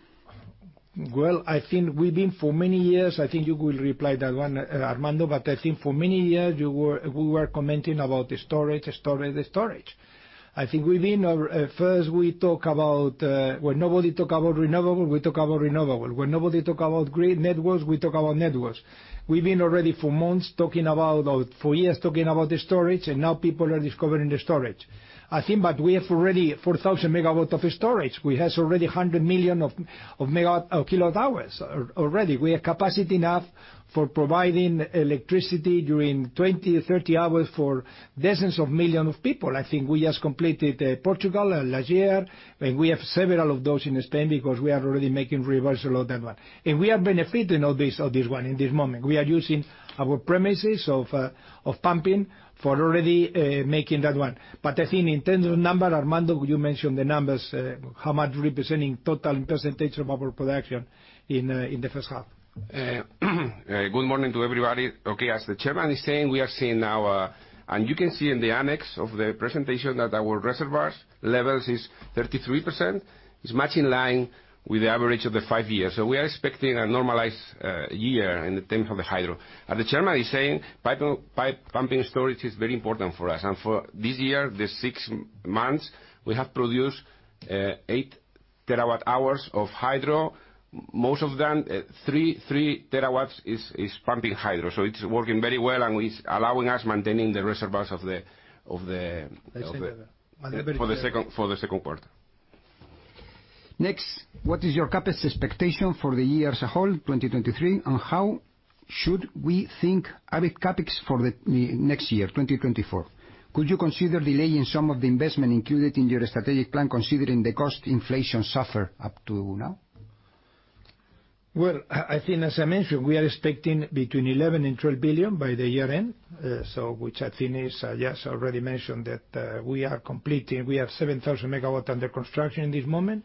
I think we've been for many years, I think you will reply that one, Armando, but I think for many years, we were commenting about the storage. I think we've been, first we talk about when nobody talk about renewable, we talk about renewable. When nobody talk about grid networks, we talk about networks. We've been already for months talking about, or for years, talking about the storage, and now people are discovering the storage. I think but we have already 4,000 MW of storage. We has already 100 million of mega kilowatt hours already. We have capacity enough for providing electricity during 20 hours to 30 hours for dozens of millions of people. I think we just completed Portugal last year, and we have several of those in Spain because we are already making reversal of that one. We are benefiting on this, on this one, in this moment. We are using our premises of pumping for already making that one. I think in terms of number, Armando, you mentioned the numbers, how much representing total percentage of our production in the H1? Good morning to everybody. As the Chairman is saying, we are seeing now. You can see in the annex of the presentation that our reservoirs levels is 33%. It's much in line with the average of the five years. We are expecting a normalized year in the terms of the hydro. As the Chairman is saying, pumping storage is very important for us. For this year, the six months, we have produced eight terawatt-hours of hydro. Most of them, 3 TW is pumping hydro. It's working very well, and it's allowing us maintaining the reservoirs. The same. For the second part. Next, what is your CapEx expectation for the year as a whole, 2023, and how should we think about CapEx for the next year, 2024? Could you consider delaying some of the investment included in your strategic plan, considering the cost inflation suffered up to now? Well, I think as I mentioned, we are expecting between 11 billion and 12 billion by the year end. Which I think is, yes, I already mentioned that, we are completing, we have 7,000 MW under construction in this moment,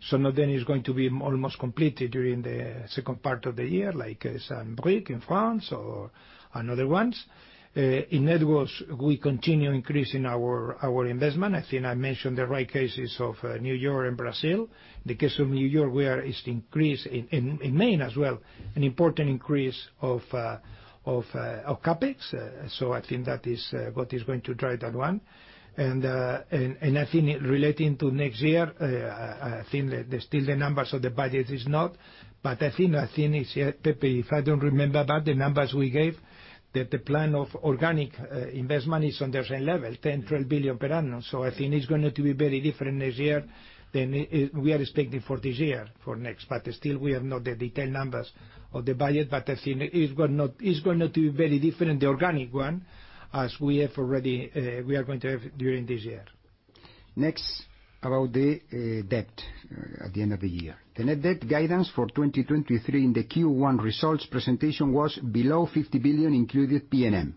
so nothing is going to be almost completed during the second part of the year, like Saint-Brieuc in France or, and other ones. In networks, we continue increasing our investment. I think I mentioned the right cases of New York and Brazil. The case of New York, where is increase in Maine as well, an important increase of CapEx. I think that is what is going to drive that one. I think relating to next year, I think that the still the numbers of the budget is not, but I think it's Pepe, if I don't remember bad, the numbers we gave, that the plan of organic investment is on the same level, 10 billion, 12 billion per annum. I think it's going to be very different next year than it, we are expecting for this year, for next. Still we have not the detailed numbers of the budget, but I think it's going to be very different, the organic one, as we have already, we are going to have during this year. About the debt at the end of the year. The net debt guidance for 2023 in the Q1 results presentation was below 50 billion, included PNM.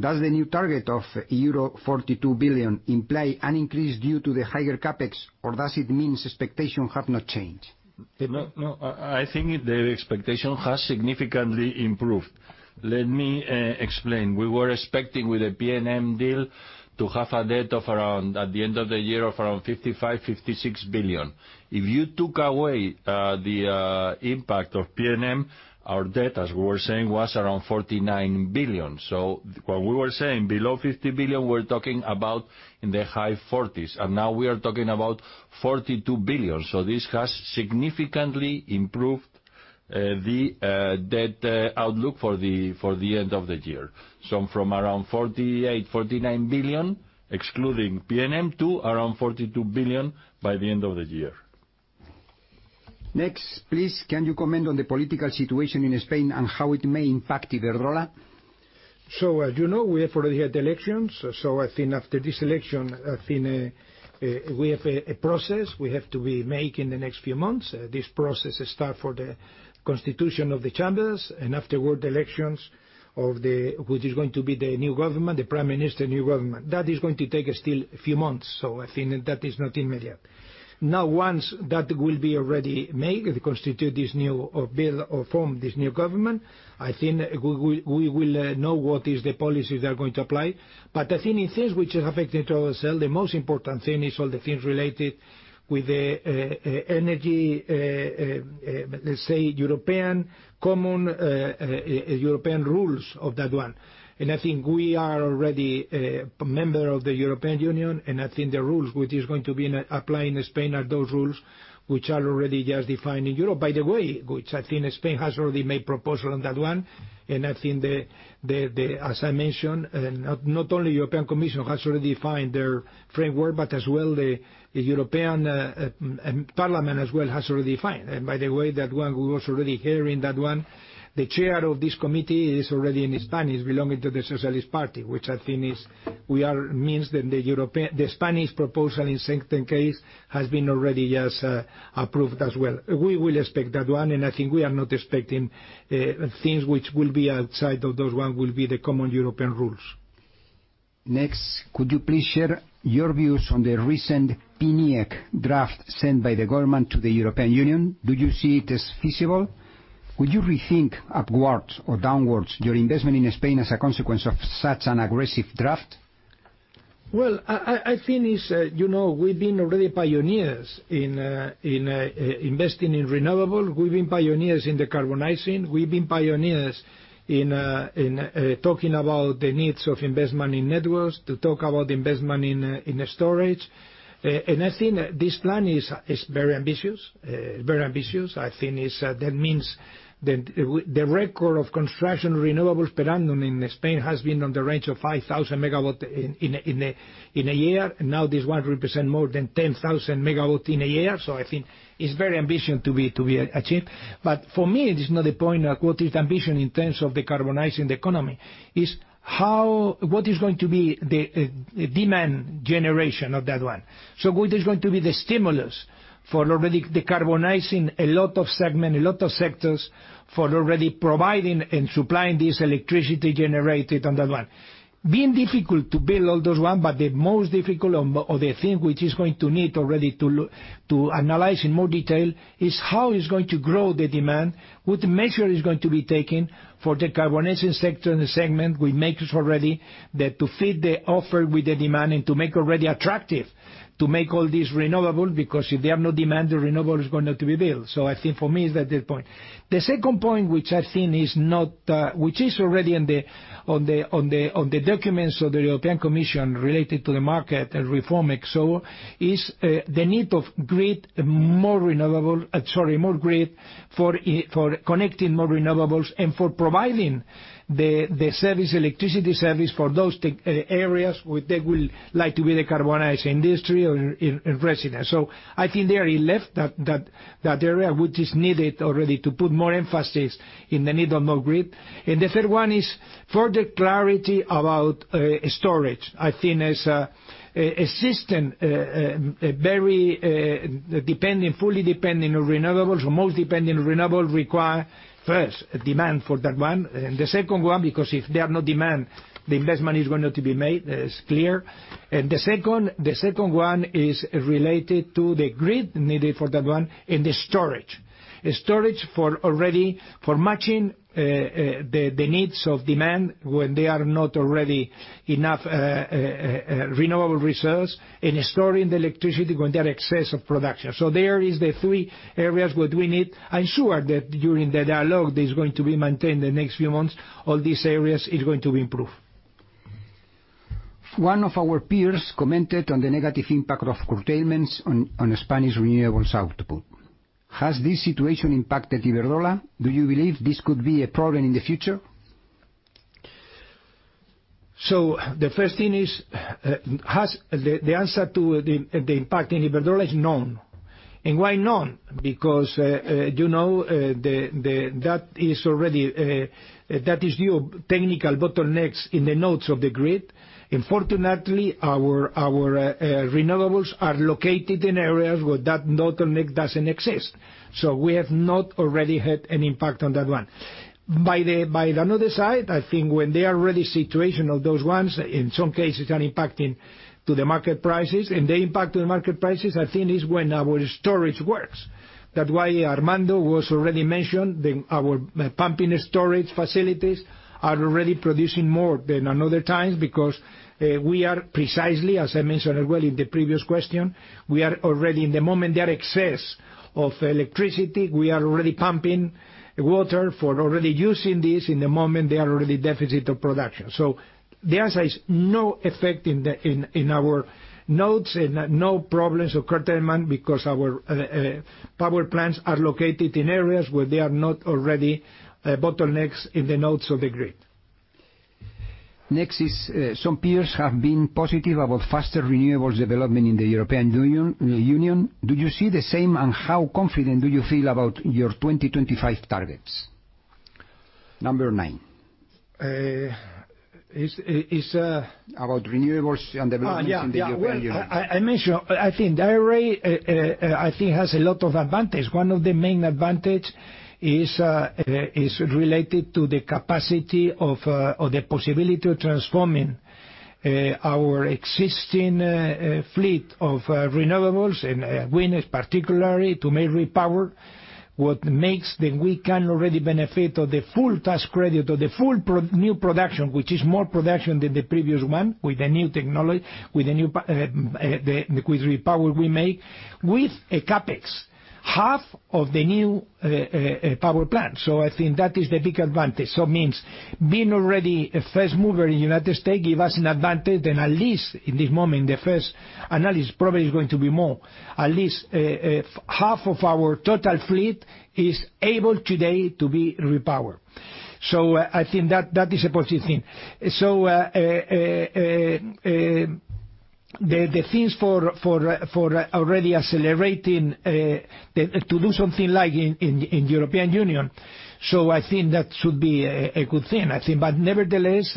Does the new target of euro 42 billion imply an increase due to the higher CapEx, or does it mean expectations have not changed? Pepe. No, I think the expectation has significantly improved. Let me explain. We were expecting with the PNM deal to have a debt of around, at the end of the year, of around 55 billion-56 billion. If you took away the impact of PNM, our debt, as we were saying, was around 49 billion. When we were saying below 50 billion, we're talking about in the high forties, and now we are talking about 42 billion. This has significantly improved the debt outlook for the end of the year. From around 48 billion-49 billion, excluding PNM, to around 42 billion by the end of the year. Next, please, can you comment on the political situation in Spain and how it may impact Iberdrola? As you know, we have already had the elections. I think after this election, I think, we have a process we have to be make in the next few months. This process start for the constitution of the chambers, and afterward, the elections of the which is going to be the new government, the prime minister, new government. That is going to take still a few months. I think that is not immediate. Once that will be already made, they constitute this new, or build, or form this new government, I think we will know what is the policy they are going to apply. I think in things which are affecting to ourselves, the most important thing is all the things related with the energy, let's say, European common European rules of that one. I think we are already a member of the European Union, and I think the rules which is going to be in apply in Spain are those rules which are already just defined in Europe. By the way, which I think Spain has already made proposal on that one. I think, as I mentioned, not only European Commission has already defined their framework, but as well the European Parliament as well has already defined. By the way, that one, we was already hearing that one, the chair of this committee is already in Spanish, belonging to the Socialist Party, which I think means that the European, the Spanish proposal in certain case, has been already just approved as well. We will expect that one, I think we are not expecting things which will be outside of those one, will be the common European rules. Next, could you please share your views on the recent PNIEC draft sent by the government to the European Union? Do you see it as feasible? Would you rethink upwards or downwards your investment in Spain as a consequence of such an aggressive draft? Well, I think it's, you know, we've been already pioneers in investing in renewable. We've been pioneers in decarbonizing. We've been pioneers in talking about the needs of investment in networks, to talk about investment in storage. I think this plan is very ambitious, very ambitious. I think it's that means that the record of construction renewables per annum in Spain has been on the range of 5,000 MW in a year. Now, this one represent more than 10,000 MW in a year, so I think it's very ambitious to be achieved. For me, it is not the point of what is the ambition in terms of decarbonizing the economy, it's what is going to be the demand generation of that one? What is going to be the stimulus for already decarbonizing a lot of segment, a lot of sectors, for already providing and supplying this electricity generated on that one? Being difficult to build all those one, but the most difficult on, or the thing which is going to need already to analyze in more detail, is how it's going to grow the demand, what measure is going to be taken for decarbonizing sector and the segment we make already, that to fit the offer with the demand and to make already attractive, to make all this renewable, because if there are no demand, the renewable is going to be built. I think for me, it's at that point. The second point, which I think is not, which is already in the documents of the European Commission related to the electricity market design reform, is the need of grid, more renewable, sorry, more grid for connecting more renewables and for providing the service, electricity service, for those tech areas where they will like to be decarbonize industry or in resident. I think there, he left that area, which is needed already to put more emphasis in the need of more grid. The third one is further clarity about storage. I think as a system very depending, fully depending on renewables or most dependent on renewable, require, first, a demand for that one. The second one, because if there are no demand, the investment is going not to be made, is clear. The second one is related to the grid needed for that one and the storage. A storage for already, for matching, the needs of demand when there are not already enough renewable resource, and storing the electricity when there are excess of production. There is the three areas what we need. I'm sure that during the dialogue that is going to be maintained the next few months, all these areas is going to improve. One of our peers commented on the negative impact of curtailments on the Spanish renewables output. Has this situation impacted Iberdrola? Do you believe this could be a problem in the future? The answer to the impact in Iberdrola is no. Why no? You know, that is already your technical bottlenecks in the nodes of the grid. Fortunately, our renewables are located in areas where that bottleneck doesn't exist, so we have not already had an impact on that one. By another side, I think when they are ready situation of those ones, in some cases, are impacting to the market prices. The impact to the market prices, I think, is when our storage works. That why Armando was already mentioned, our pumping storage facilities are already producing more than another times because we are precisely, as I mentioned as well in the previous question, we are already in the moment there are excess of electricity, we are already pumping water for already using this in the moment there are already deficit of production. The answer is no effect in our nodes and no problems of curtailment because our power plants are located in areas where there are not already bottlenecks in the nodes of the grid. Next is, some peers have been positive about faster renewables development in the European Union. Do you see the same, and how confident do you feel about your 2025 targets? Number nine. Uh, is, i- is, uh- About renewables and developments. Yeah. In the European Union. Well, I mentioned, I think IRA, I think has a lot of advantage. One of the main advantage is related to the capacity of or the possibility of transforming our existing fleet of renewables and winds, particularly to repower. What makes that we can already benefit of the full tax credit or the full new production, which is more production than the previous one, with the new technology, with the new the, with repower we make, with a CapEx, half of the new power plant. I think that is the big advantage. Means being already a first mover in United States give us an advantage, and at least in this moment, the first analysis probably is going to be more. At least, half of our total fleet is able today to be repowered. I think that is a positive thing. The things for already accelerating to do something like in European Union, I think that should be a good thing, I think. Nevertheless,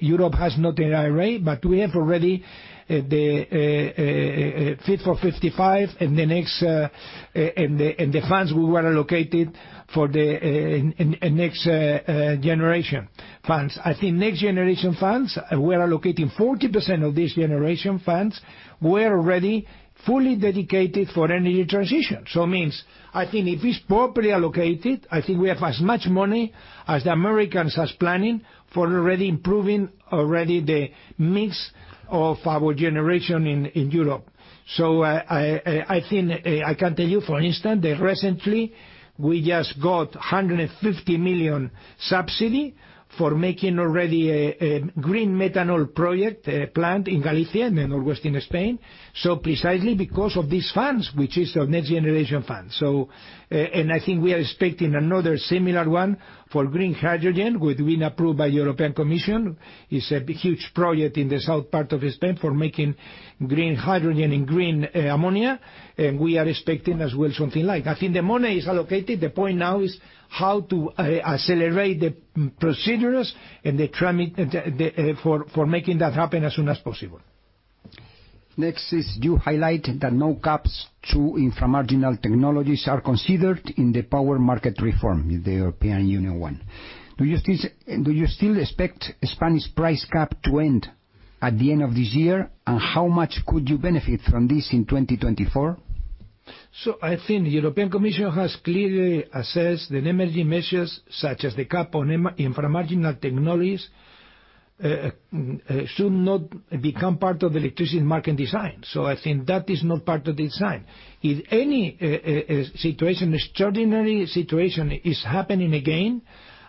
Europe has not an IRA, but we have already the Fit for 55, and the next and the funds we were allocated for the next generation funds. I think Next Generation EU, we are allocating 40% of this generation funds, we are already fully dedicated for energy transition. Means, I think if it's properly allocated, I think we have as much money as the Americans has planning for already improving already the mix of our generation in Europe. I think I can tell you, for instance, that recently we just got 150 million subsidy for making already a green methanol project, a plant in Galicia, in the northwest in Spain, precisely because of these funds, which is the Next Generation EU. I think we are expecting another similar one for green hydrogen, which been approved by European Commission. It's a big, huge project in the south part of Spain for making green hydrogen and green ammonia, we are expecting as well, something like. I think the money is allocated. The point now is how to accelerate the procedures and the [timing] the for making that happen as soon as possible. Next is, you highlighted that no caps to inframarginal technologies are considered in the power market reform, in the European Union one. Do you still expect Spanish price cap to end at the end of this year? How much could you benefit from this in 2024? I think the European Commission has clearly assessed that emergency measures, such as the cap on inframarginal technologies, should not become part of the electricity market design. I think that is not part of the design. If any extraordinary situation is happening again,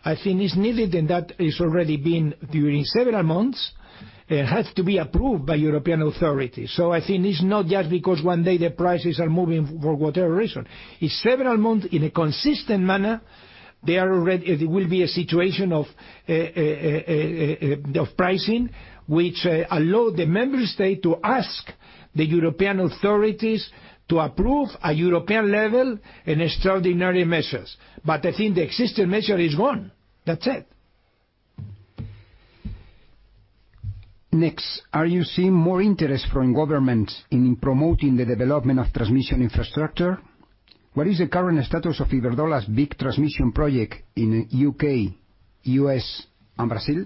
I think it's needed, and that is already been during several months, it has to be approved by European authorities. I think it's not just because one day the prices are moving for whatever reason. It's several months in a consistent manner, it will be a situation of pricing, which allow the member state to ask the European authorities to approve a European level and extraordinary measures. I think the existing measure is one. That's it. Are you seeing more interest from governments in promoting the development of transmission infrastructure? What is the current status of Iberdrola's big transmission project in U.K., U.S., and Brazil?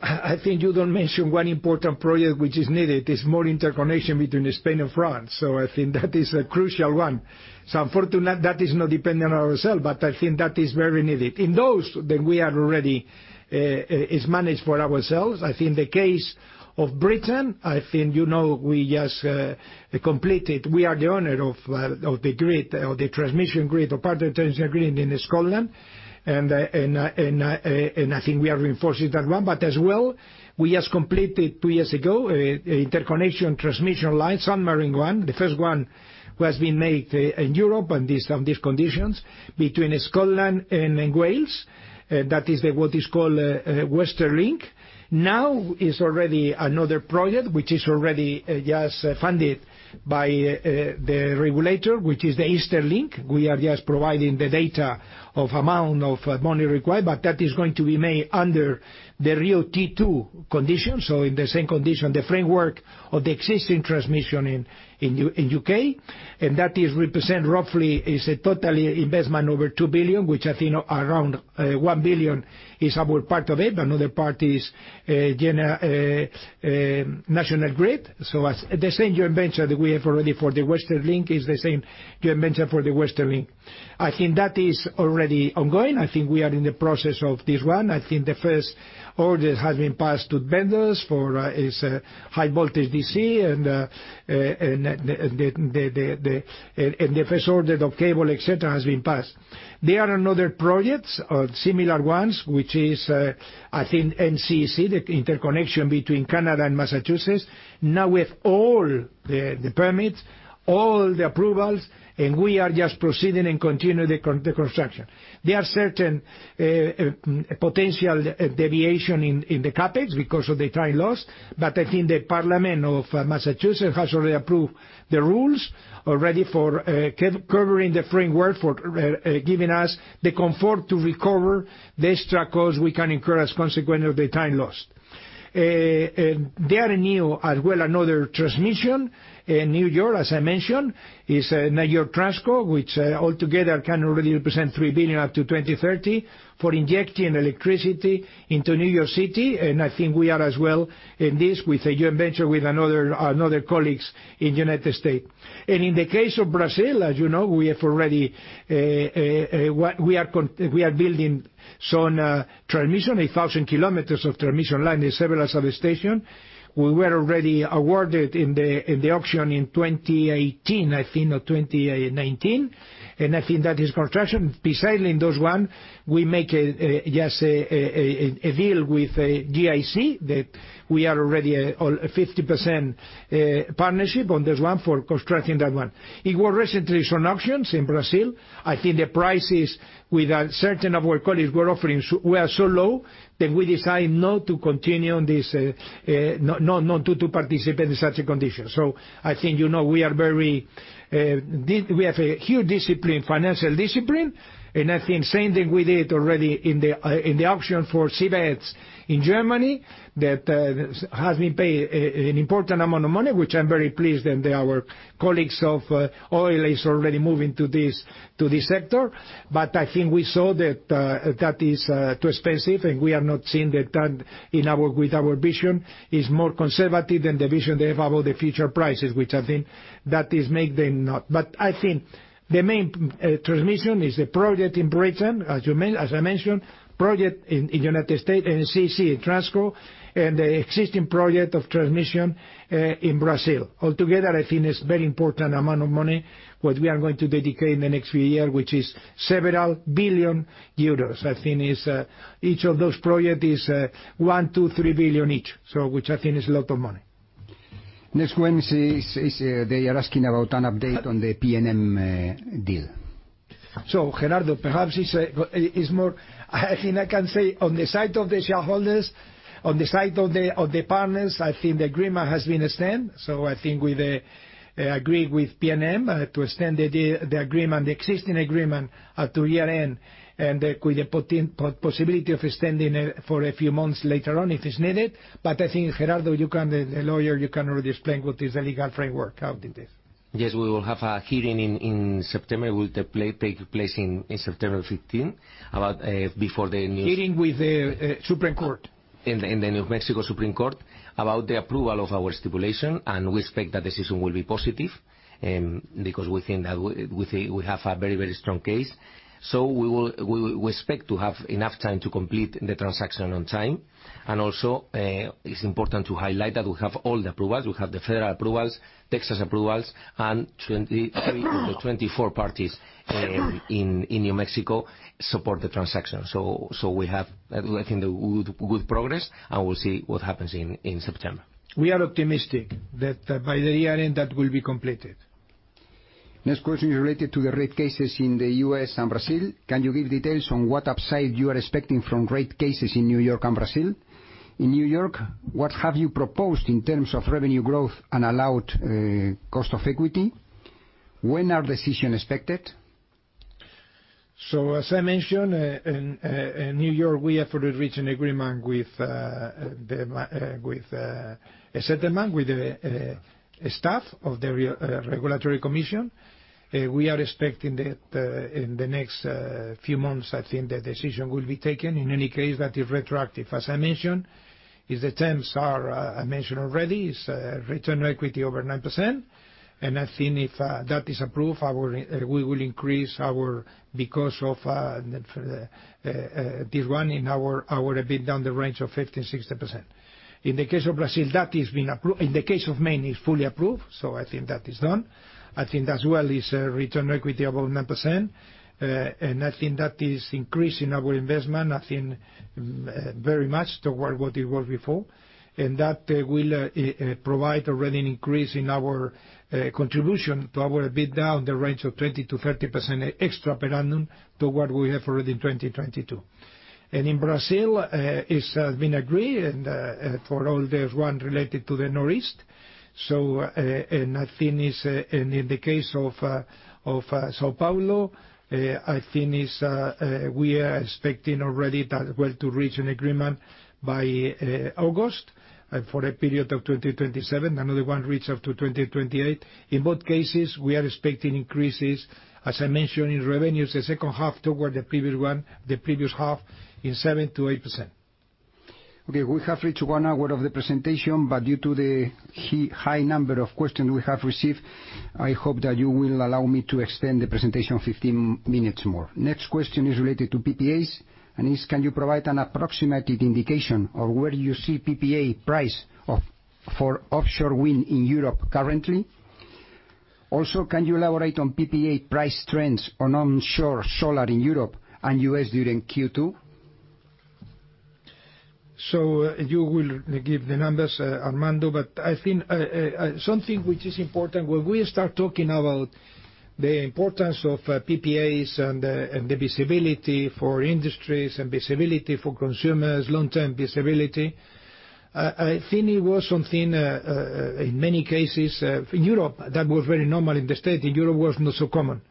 I think you don't mention one important project which is needed, is more interconnection between Spain and France. I think that is a crucial one. Unfortunately, that is not dependent on ourself, but I think that is very needed. In those that we are already, is managed for ourselves, I think the case of Britain, you know, we just completed. We are the owner of the grid, of the transmission grid, or part of the transmission grid in Scotland. I think we are reinforcing that one. As well, we just completed two years ago, a interconnection transmission line, submarine one, the first one who has been made in Europe, on these conditions, between Scotland and Wales. That is the what is called Western Link. Now is already another project, which is already just funded by the regulator, which is the Eastern Link. We are just providing the data of amount of money required, that is going to be made under the real T2 conditions, so in the same condition, the framework of the existing transmission in UK. That is represent roughly, is a totally investment over 2 billion, which I think around 1 billion is our part of it, another part is National Grid. As the same joint venture that we have already for the Western Link is the same joint venture for the Western Link. I think that is already ongoing. I think we are in the process of this one. I think the first order has been passed to vendors for High-Voltage Direct Current and the first order of cable, et cetera, has been passed. There are another projects or similar ones, which is I think NECEC, the interconnection between Canada and Massachusetts. With all the permits, all the approvals, we are just proceeding and continue the construction. There are certain potential deviation in the CapEx because of the time lost, I think the Parliament of Massachusetts has already approved the rules already for covering the framework for giving us the comfort to recover the extra costs we can incur as a consequence of the time lost. There are new, as well, another transmission in New York, as I mentioned, is New York Transco, which altogether can already represent 3 billion up to 2030 for injecting electricity into New York City. I think we are as well in this with a joint venture with another colleagues in United States. In the case of Brazil, as you know, we are building some transmission, 1,000 kilometers of transmission line and several substation. We were already awarded in the auction in 2018, I think, or 2019, and I think that is contraction. Besides in those one, we make just a deal with GIC, that we are already on a 50% partnership on this one for constructing that one. It was recently some auctions in Brazil. I think the prices, which certain of our colleagues were offering were so low, that we decided not to continue on this not to participate in such a condition. I think you know, we are very, we have a huge discipline, financial discipline, and I think same thing we did already in the auction for seabeds in Germany, that has been paid an important amount of money, which I am very pleased that our colleagues of oil is already moving to this sector. I think we saw that that is too expensive, and we have not seen the return in our, with our vision. It is more conservative than the vision they have about the future prices, which I think that is make them not. I think the main transmission is the project in Britain, as I mentioned, project in United States, NECEC, and Transco, and the existing project of transmission in Brazil. Altogether, I think it's very important amount of money, what we are going to dedicate in the next few years, which is several billion euros. I think each of those projects is 1, 2, 3 billion each, which I think is a lot of money. Next one is, they are asking about an update on the PNM deal. Gerardo, I think I can say on the side of the shareholders, on the side of the partners, I think the agreement has been extended. I think we agree with PNM to extend the agreement, the existing agreement, up to year-end, and with the possibility of extending it for a few months later on, if it's needed. I think, Gerardo, you can, the lawyer, you can already explain what is the legal framework, how it is. Yes, we will have a hearing in September, will take place in September 15, about before. Hearing with the Supreme Court? in the New Mexico Supreme Court about the approval of our stipulation. We expect that decision will be positive because we think that we have a very strong case. We expect to have enough time to complete the transaction on time. Also, it's important to highlight that we have all the approvals. We have the federal approvals, Texas approvals, and 23 to 24 parties in New Mexico support the transaction. We have, I think, good progress, and we'll see what happens in September. We are optimistic that by the year end, that will be completed. Next question is related to the rate cases in the U.S. and Brazil. Can you give details on what upside you are expecting from rate cases in New York and Brazil? In New York, what have you proposed in terms of revenue growth and allowed cost of equity? When are decision expected? As I mentioned, in New York, we have already reached an agreement with a settlement with the staff of the Regulatory Commission. We are expecting that in the next few months, I think the decision will be taken. In any case, that is retroactive. As I mentioned, is the terms are, I mentioned already, is return on equity over 9%, and I think if that is approved, we will increase our, because of net for the, this one in our EBITDA, in the range of 50%-60%. In the case of Brazil, that is approved. In the case of Maine, is fully approved, I think that is done. I think as well is return on equity above 9%, and I think that is increasing our investment, I think, very much toward what it was before. That will provide already an increase in our contribution to our EBITDA in the range of 20%-30% extra per annum to what we have already in 2022. In Brazil, it's been agreed, and for all the one related to the Northeast. I think is, and in the case of São Paulo, we are expecting already that well to reach an agreement by August for a period of 2027, another one reach up to 2028. In both cases, we are expecting increases, as I mentioned, in revenues, the H2 toward the previous one, the previous half, in 7%-8%. Okay, we have reached one hour of the presentation. Due to the high number of questions we have received, I hope that you will allow me to extend the presentation 15 minutes more. Next question is related to PPAs, and is: Can you provide an approximated indication of where you see PPA price of, for offshore wind in Europe currently? Also, can you elaborate on PPA price trends on onshore solar in Europe and U.S. during Q2? You will give the numbers, Armando, but I think something which is important, when we start talking about the importance of PPAs and the visibility for industries and visibility for consumers, long-term visibility, I think it was something in many cases, Europe, that was very normal in the States, in Europe was not so common.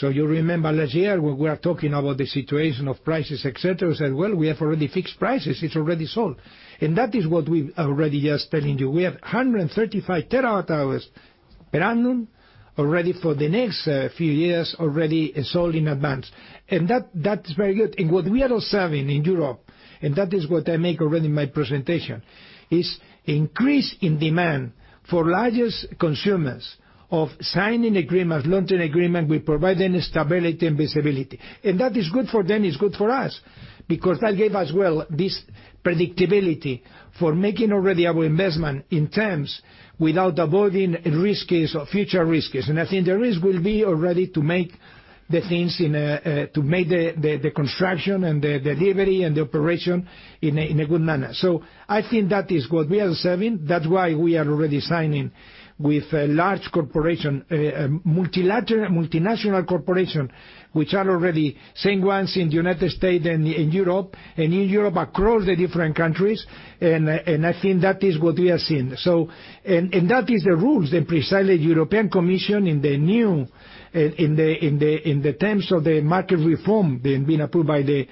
You remember last year, when we are talking about the situation of prices, et cetera, we said, "Well, we have already fixed prices. It's already sold." That is what we've already just telling you. We have 135 TW hours per annum already for the next few years, already sold in advance. That is very good. What we are observing in Europe, and that is what I make already in my presentation, is increase in demand for largest consumers of signing agreements, long-term agreement. We provide them stability and visibility. That is good for them, it's good for us, because that gave us, well, this predictability for making already our investment in terms without avoiding risks, or future risks. I think the risk will be already to make the things in to make the construction and the delivery and the operation in a good manner. I think that is what we are observing. That's why we are already signing with a large corporation, multilateral, multinational corporation, which are already same ones in the United States and in Europe, and in Europe across the different countries. I think that is what we are seeing. That is the rules that precisely European Commission, in the new terms of the market reform, being approved by the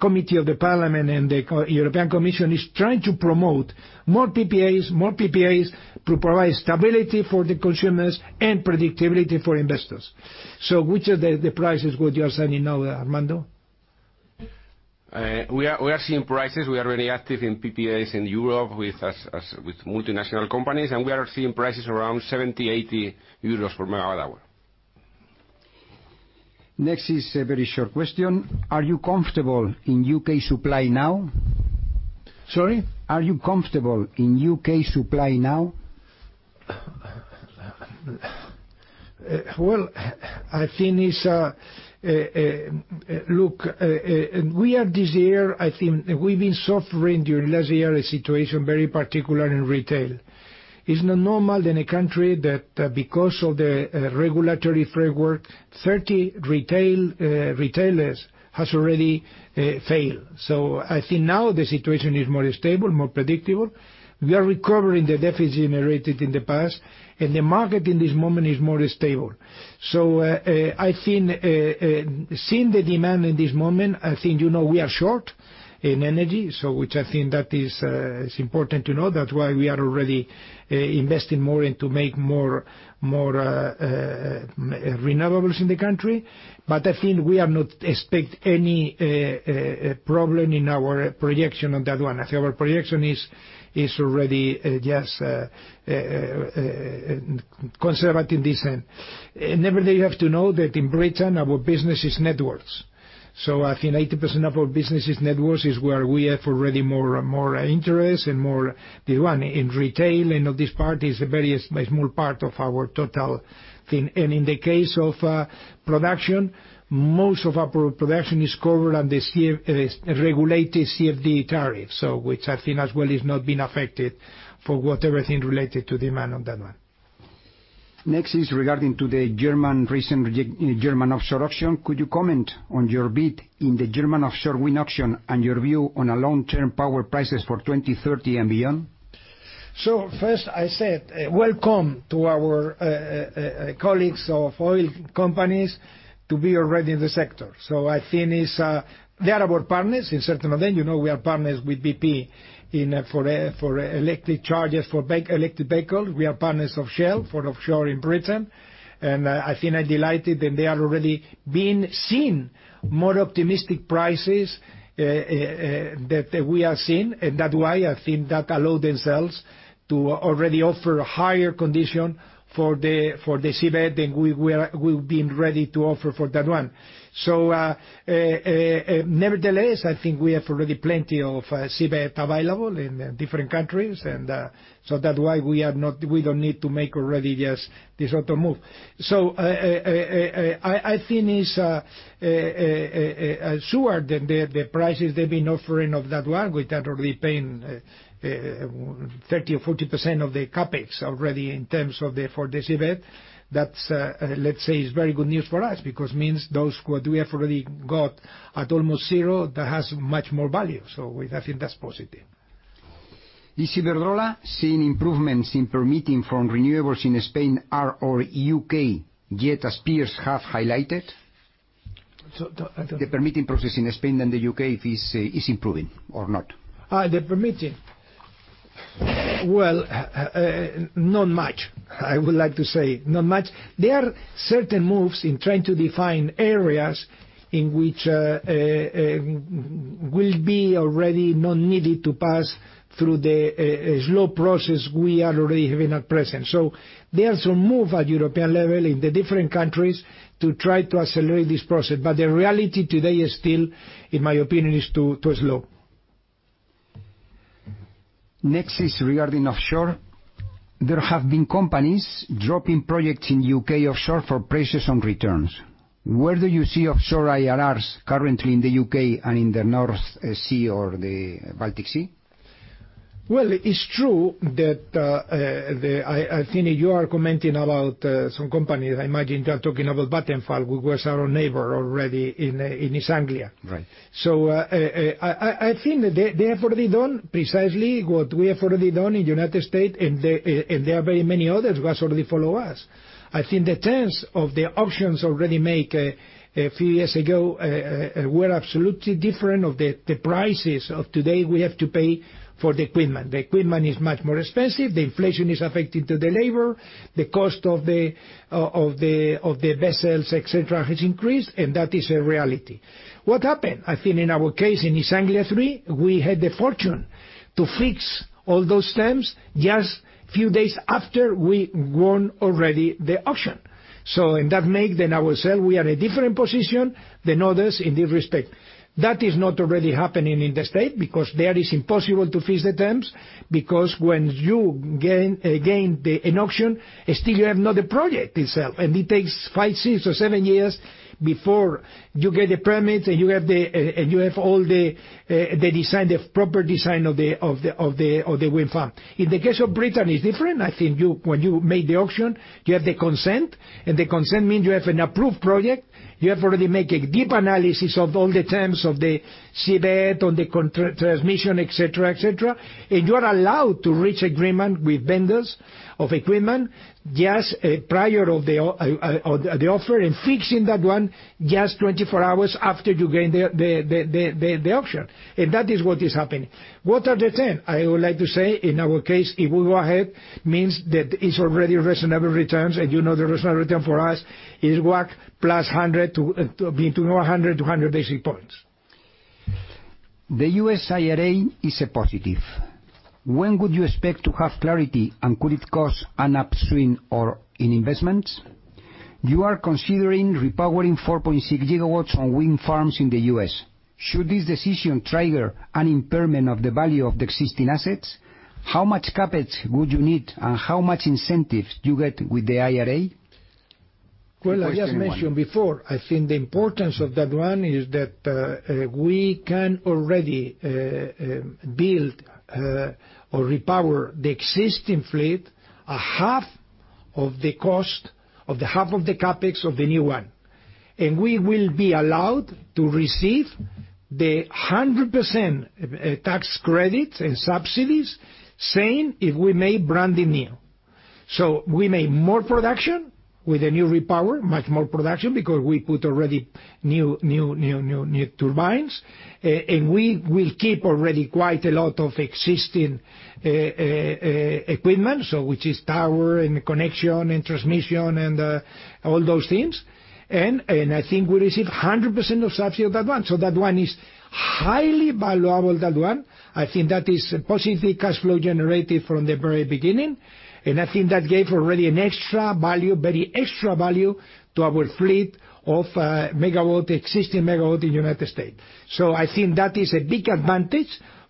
Committee of the Parliament and the European Commission, is trying to promote more PPAs, more PPAs, to provide stability for the consumers and predictability for investors. Which are the prices what you are selling now, Armando? We are seeing prices. We are very active in PPAs in Europe with multinational companies. We are seeing prices around 70-80 euros per MW hour. Next is a very short question: Are you comfortable in UK supply now? Sorry? Are you comfortable in UK supply now? Well, look, we are this year. I think we've been suffering during last year a situation very particular in retail. It's not normal in a country that, because of the regulatory framework, 30 retail retailers has already failed. I think now the situation is more stable, more predictable. We are recovering the deficit generated in the past, and the market in this moment is more stable. I think, seeing the demand in this moment, I think you know we are short in energy, so which I think that is important to know. That's why we are already investing more in to make more renewables in the country. I think we are not expect any problem in our projection on that one. I think our projection is already, yes, conservative in this end. You have to know that in Britain, our business is networks, so I think 80% of our business is networks, is where we have already more, more interest and more the one in retail, and of this part is a very, a small part of our total thing. In the case of production, most of our production is covered under CfD regulated CfD tariff, so which I think as well has not been affected for whatever thing related to demand on that one. Next is regarding to the German recent reject, German offshore auction. Could you comment on your bid in the German offshore wind auction and your view on long-term power prices for 2030 and beyond? First, I said, welcome to our colleagues of oil companies to be already in the sector. I think it's, they are our partners in certain event. You know, we are partners with BP in for electric charges, for electric vehicle. We are partners of Shell for offshore in Britain, and I think I delighted, and they are already being seen more optimistic prices that we are seeing. That's why I think that allow themselves to already offer a higher condition for the, for the seabed than we were, we've been ready to offer for that one. Nevertheless, I think we have already plenty of seabed available in different countries, that's why we don't need to make already just this sort of move. I think it's sure that the prices they've been offering of that one, we that are already paying 30% or 40% of the CapEx already in terms of the, for the seabed. That's, let's say, is very good news for us, because means those what we have already got at almost zero, that has much more value, so I think that's positive. Is Iberdrola seeing improvements in permitting from renewables in Spain or UK, yet as peers have highlighted? The. The permitting process in Spain and the UK is improving or not? The permitting? Well, not much. I would like to say not much. There are certain moves in trying to define areas in which will be already not needed to pass through the slow process we are already having at present. There are some move at European level, in the different countries, to try to accelerate this process, but the reality today is still, in my opinion, is too slow. Next is regarding offshore. There have been companies dropping projects in U.K. offshore for prices on returns. Where do you see offshore IRRs currently in the U.K. and in the North Sea or the Baltic Sea? Well, it's true that I think you are commenting about some companies. I imagine you are talking about Vattenfall, who was our neighbor already in East Anglia. Right. I think they have already done precisely what we have already done in United States, and there are very many others who has already follow us. I think the terms of the auctions already make a few years ago were absolutely different of the prices of today we have to pay for the equipment. The equipment is much more expensive, the inflation is affecting to the labor, the cost of the vessels, et cetera, has increased, and that is a reality. What happened? I think in our case, in East Anglia Three, we had the fortune to fix all those terms just a few days after we won already the auction. And that make then ourselves, we are a different position than others in this respect. That is not already happening in the States, because there it is impossible to fix the terms, because when you gain the, an auction, still you have not the project itself, and it takes five, six or seven years before you get the permits, and you have the, and you have all the design, the proper design of the wind farm. In the case of Britain, it's different. I think you, when you make the auction, you have the consent, and the consent means you have an approved project. You have already made a deep analysis of all the terms, of the seabed, on the transmission, et cetera, et cetera. You are allowed to reach agreement with vendors of equipment just prior of the offer, and fixing that one just 24 hours after you gain the auction. That is what is happening. What are the terms? I would like to say, in our case, if we go ahead, means that it's already reasonable returns, and you know the reasonable return for us is WACC plus between 100 to 100 basis points. The U.S. IRA is a positive. When would you expect to have clarity, and could it cause an upswing or in investments? You are considering repowering 4.6 GW on wind farms in the U.S. Should this decision trigger an impairment of the value of the existing assets? How much CapEx would you need, and how much incentives do you get with the IRA? Well, I just mentioned before, I think the importance of that one is that we can already build or repower the existing fleet a half of the cost, of the half of the CapEx of the new one. We will be allowed to receive the 100% tax credits and subsidies, same if we make brand new. We make more production with the new repower, much more production, because we put already new, new, new turbines, and we will keep already quite a lot of existing equipment, so which is tower and connection and transmission and all those things. I think we receive 100% of subsidy of that one, that one is highly valuable, that one. I think that is positive cash flow generated from the very beginning. I think that gave already an extra value, very extra value to our fleet of MW, existing MW in United States. I think that is a big advantage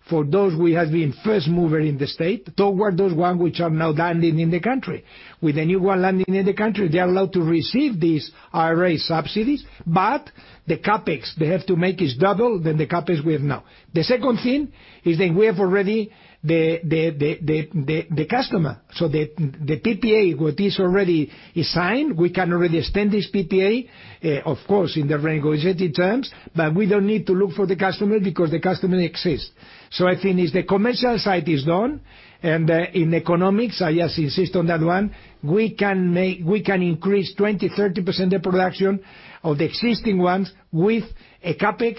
for those who have been first mover in the state toward those ones which are now landing in the country. With the new one landing in the country, they are allowed to receive these IRA subsidies, but the CapEx they have to make is double than the CapEx we have now. The second thing is that we have already the customer. The PPA, what is already is signed, we can already extend this PPA, of course, in the renegotiated terms, but we don't need to look for the customer, because the customer exists. I think if the commercial side is done, and in economics, I just insist on that one, we can increase 20%, 30% the production of the existing ones with a CapEx,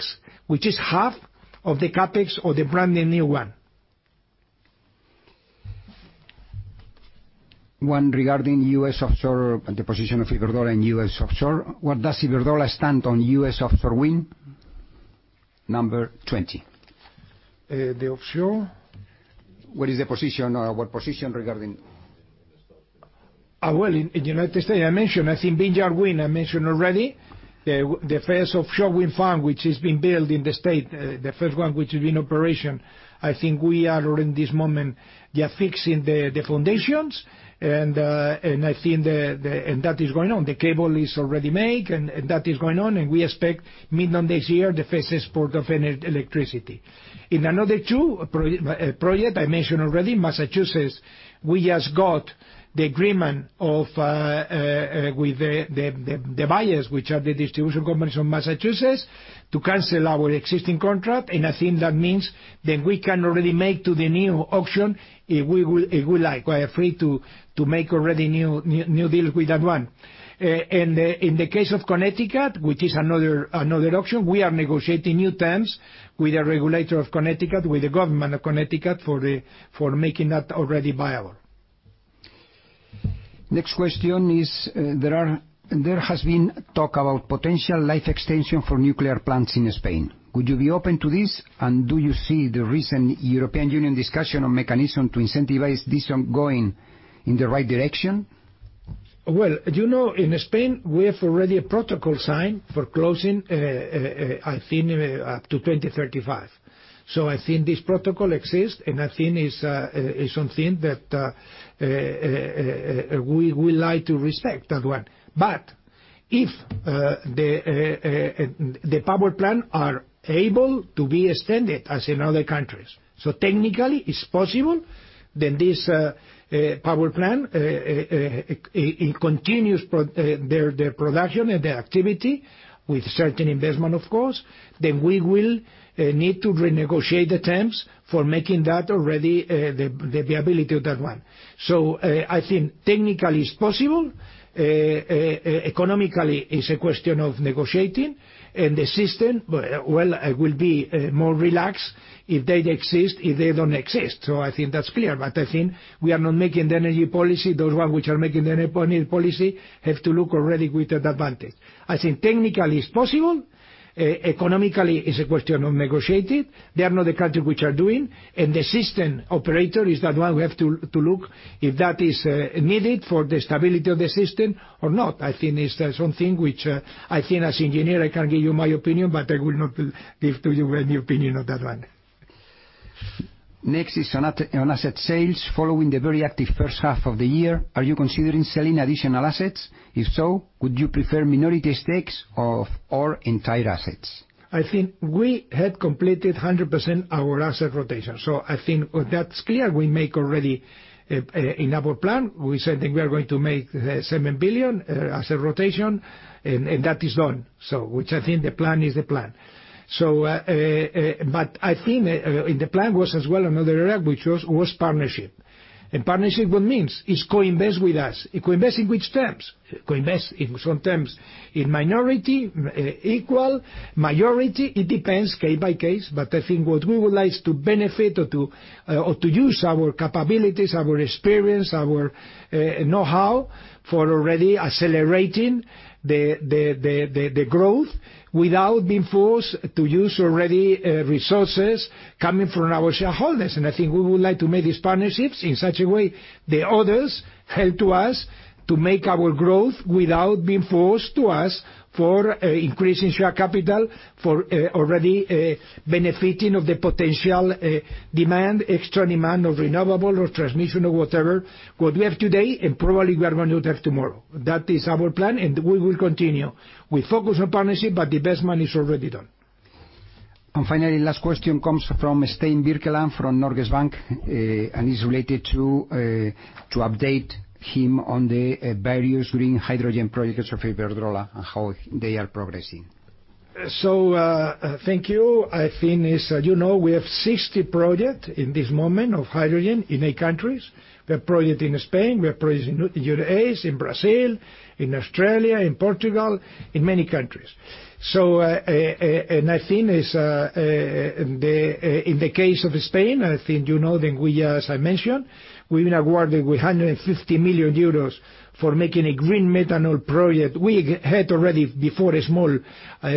which is half of the CapEx of the brand new one. One regarding U.S. offshore and the position of Iberdrola in U.S. offshore. Where does Iberdrola stand on U.S. offshore wind? Number 20. The offshore? What position regarding? Well, in United States, I mentioned, I think Vineyard Wind, I mentioned already, the first offshore wind farm which is being built in the state, the first one which is in operation. I think we are in this moment, they are fixing the foundations, and that is going on. The cable is already made, and that is going on, and we expect mid on this year, the first export of electricity. In another two project I mentioned already, Massachusetts, we just got the agreement of with the buyers, which are the distribution companies of Massachusetts, to cancel our existing contract. I think that means that we can already make to the new auction, if we will, if we like. We are free to make already new deal with that one. In the case of Connecticut, which is another auction, we are negotiating new terms with the regulator of Connecticut, with the government of Connecticut, for making that already viable. Next question is, there has been talk about potential life extension for nuclear plants in Spain. Would you be open to this? Do you see the recent European Union discussion on mechanism to incentivize this ongoing in the right direction? You know, in Spain, we have already a protocol signed for closing, I think up to 2035. I think this protocol exists, and I think is something that we like to respect, that one. If the power plant are able to be extended, as in other countries, so technically it's possible, then this power plant continues their production and their activity with certain investment, of course, then we will need to renegotiate the terms for making that already the viability of that one. I think technically it's possible. Economically, it's a question of negotiating, and the system, well, will be more relaxed if they exist, if they don't exist. I think that's clear, but I think we are not making the energy policy. Those one which are making the energy policy have to look already with that advantage. I think technically it's possible, economically, it's a question of negotiating. There are other countries which are doing. The system operator is the one we have to look if that is needed for the stability of the system or not. I think it's something which, I think as engineer, I can give you my opinion, but I will not give to you any opinion on that one. Next is on on asset sales following the very active H1 of the year, are you considering selling additional assets? If so, would you prefer minority stakes or entire assets? I think we had completed 100% our asset rotation, so I think that's clear. We make already in our plan, we said that we are going to make 7 billion asset rotation, and that is done. Which I think the plan is the plan. But I think in the plan was as well, another area which was partnership. Partnership, what means? It's co-invest with us. Co-invest in which terms? Co-invest in some terms, in minority, equal, majority, it depends case by case, but I think what we would like is to benefit or to use our capabilities, our experience, our know-how, for already accelerating the growth without being forced to use already resources coming from our shareholders. I think we would like to make these partnerships in such a way that others help to us to make our growth without being forced to us for increasing share capital, for already benefiting of the potential demand, extra demand of renewable or transmission or whatever, what we have today and probably we are going to have tomorrow. That is our plan. We will continue. We focus on partnership. The best one is already done. Finally, last question comes from Stein Birkeland from Norges Bank and is related to update him on the various green hydrogen projects of Iberdrola and how they are progressing. Thank you. I think, as you know, we have 60 projects in this moment of hydrogen in eight countries. We have project in Spain, we have projects in U.S., in Brazil, in Australia, in Portugal, in many countries. I think, in the case of Spain, I think you know that we, as I mentioned, we've been awarded with 150 million euros for making a green methanol project. We had already, before, a small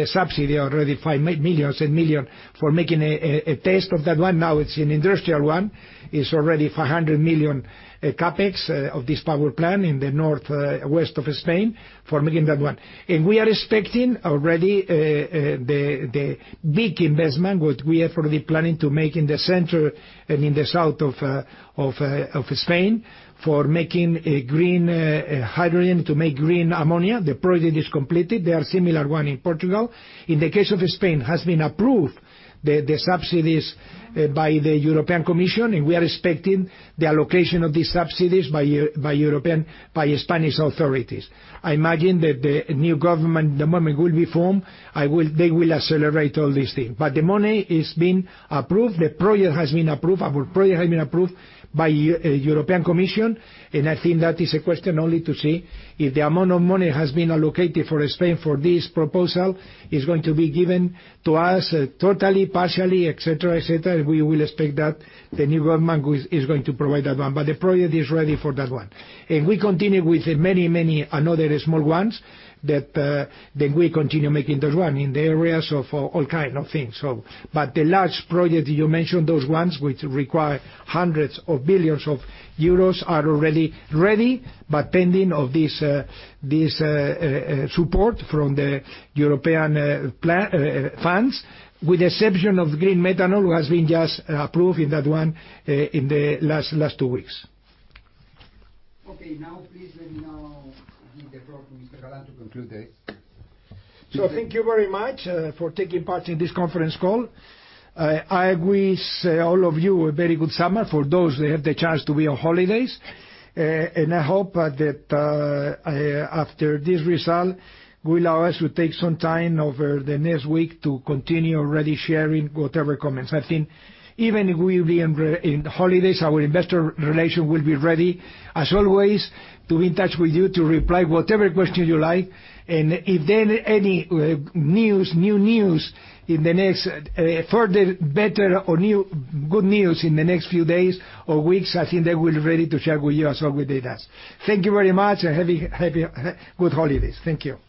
subsidy, already 5 million, 8 million, for making a test of that one. Now, it's an industrial one. It's already 400 million CapEx of this power plant in the northwest of Spain, for making that one. We are expecting already the big investment, what we are already planning to make in the center and in the south of Spain, for making a green hydrogen to make green ammonia. The project is completed. There are similar one in Portugal. In the case of Spain, it has been approved, the subsidies, by the European Commission, and we are expecting the allocation of these subsidies by European, by Spanish authorities. I imagine that the new government, the moment it will be formed, they will accelerate all these things. The money is being approved, the project has been approved, our project has been approved by European Commission, I think that is a question only to see if the amount of money has been allocated for Spain for this proposal, is going to be given to us totally, partially, et cetera, et cetera. We will expect that the new government is going to provide that one, but the project is ready for that one. We continue with many, many another small ones that we continue making those one in the areas of all kind of things, so. The large project, you mentioned those ones, which require hundreds of billions of euros, are already ready, but pending of this support from the European funds, with the exception of green methanol, who has been just approved in that one, in the last two weeks. Okay, now, please let me now give the floor to Mr. Galán to conclude this. Thank you very much for taking part in this conference call. I wish all of you a very good summer for those that have the chance to be on holidays. I hope that after this result will allow us to take some time over the next week to continue already sharing whatever comments. I think even if we be in holidays our investor relation will be ready, as always, to be in touch with you, to reply whatever question you like. If there any news, new news in the next further, better, or new, good news in the next few days or weeks, I think they will be ready to share with you as well with us. Thank you very much, have a good holidays. Thank you.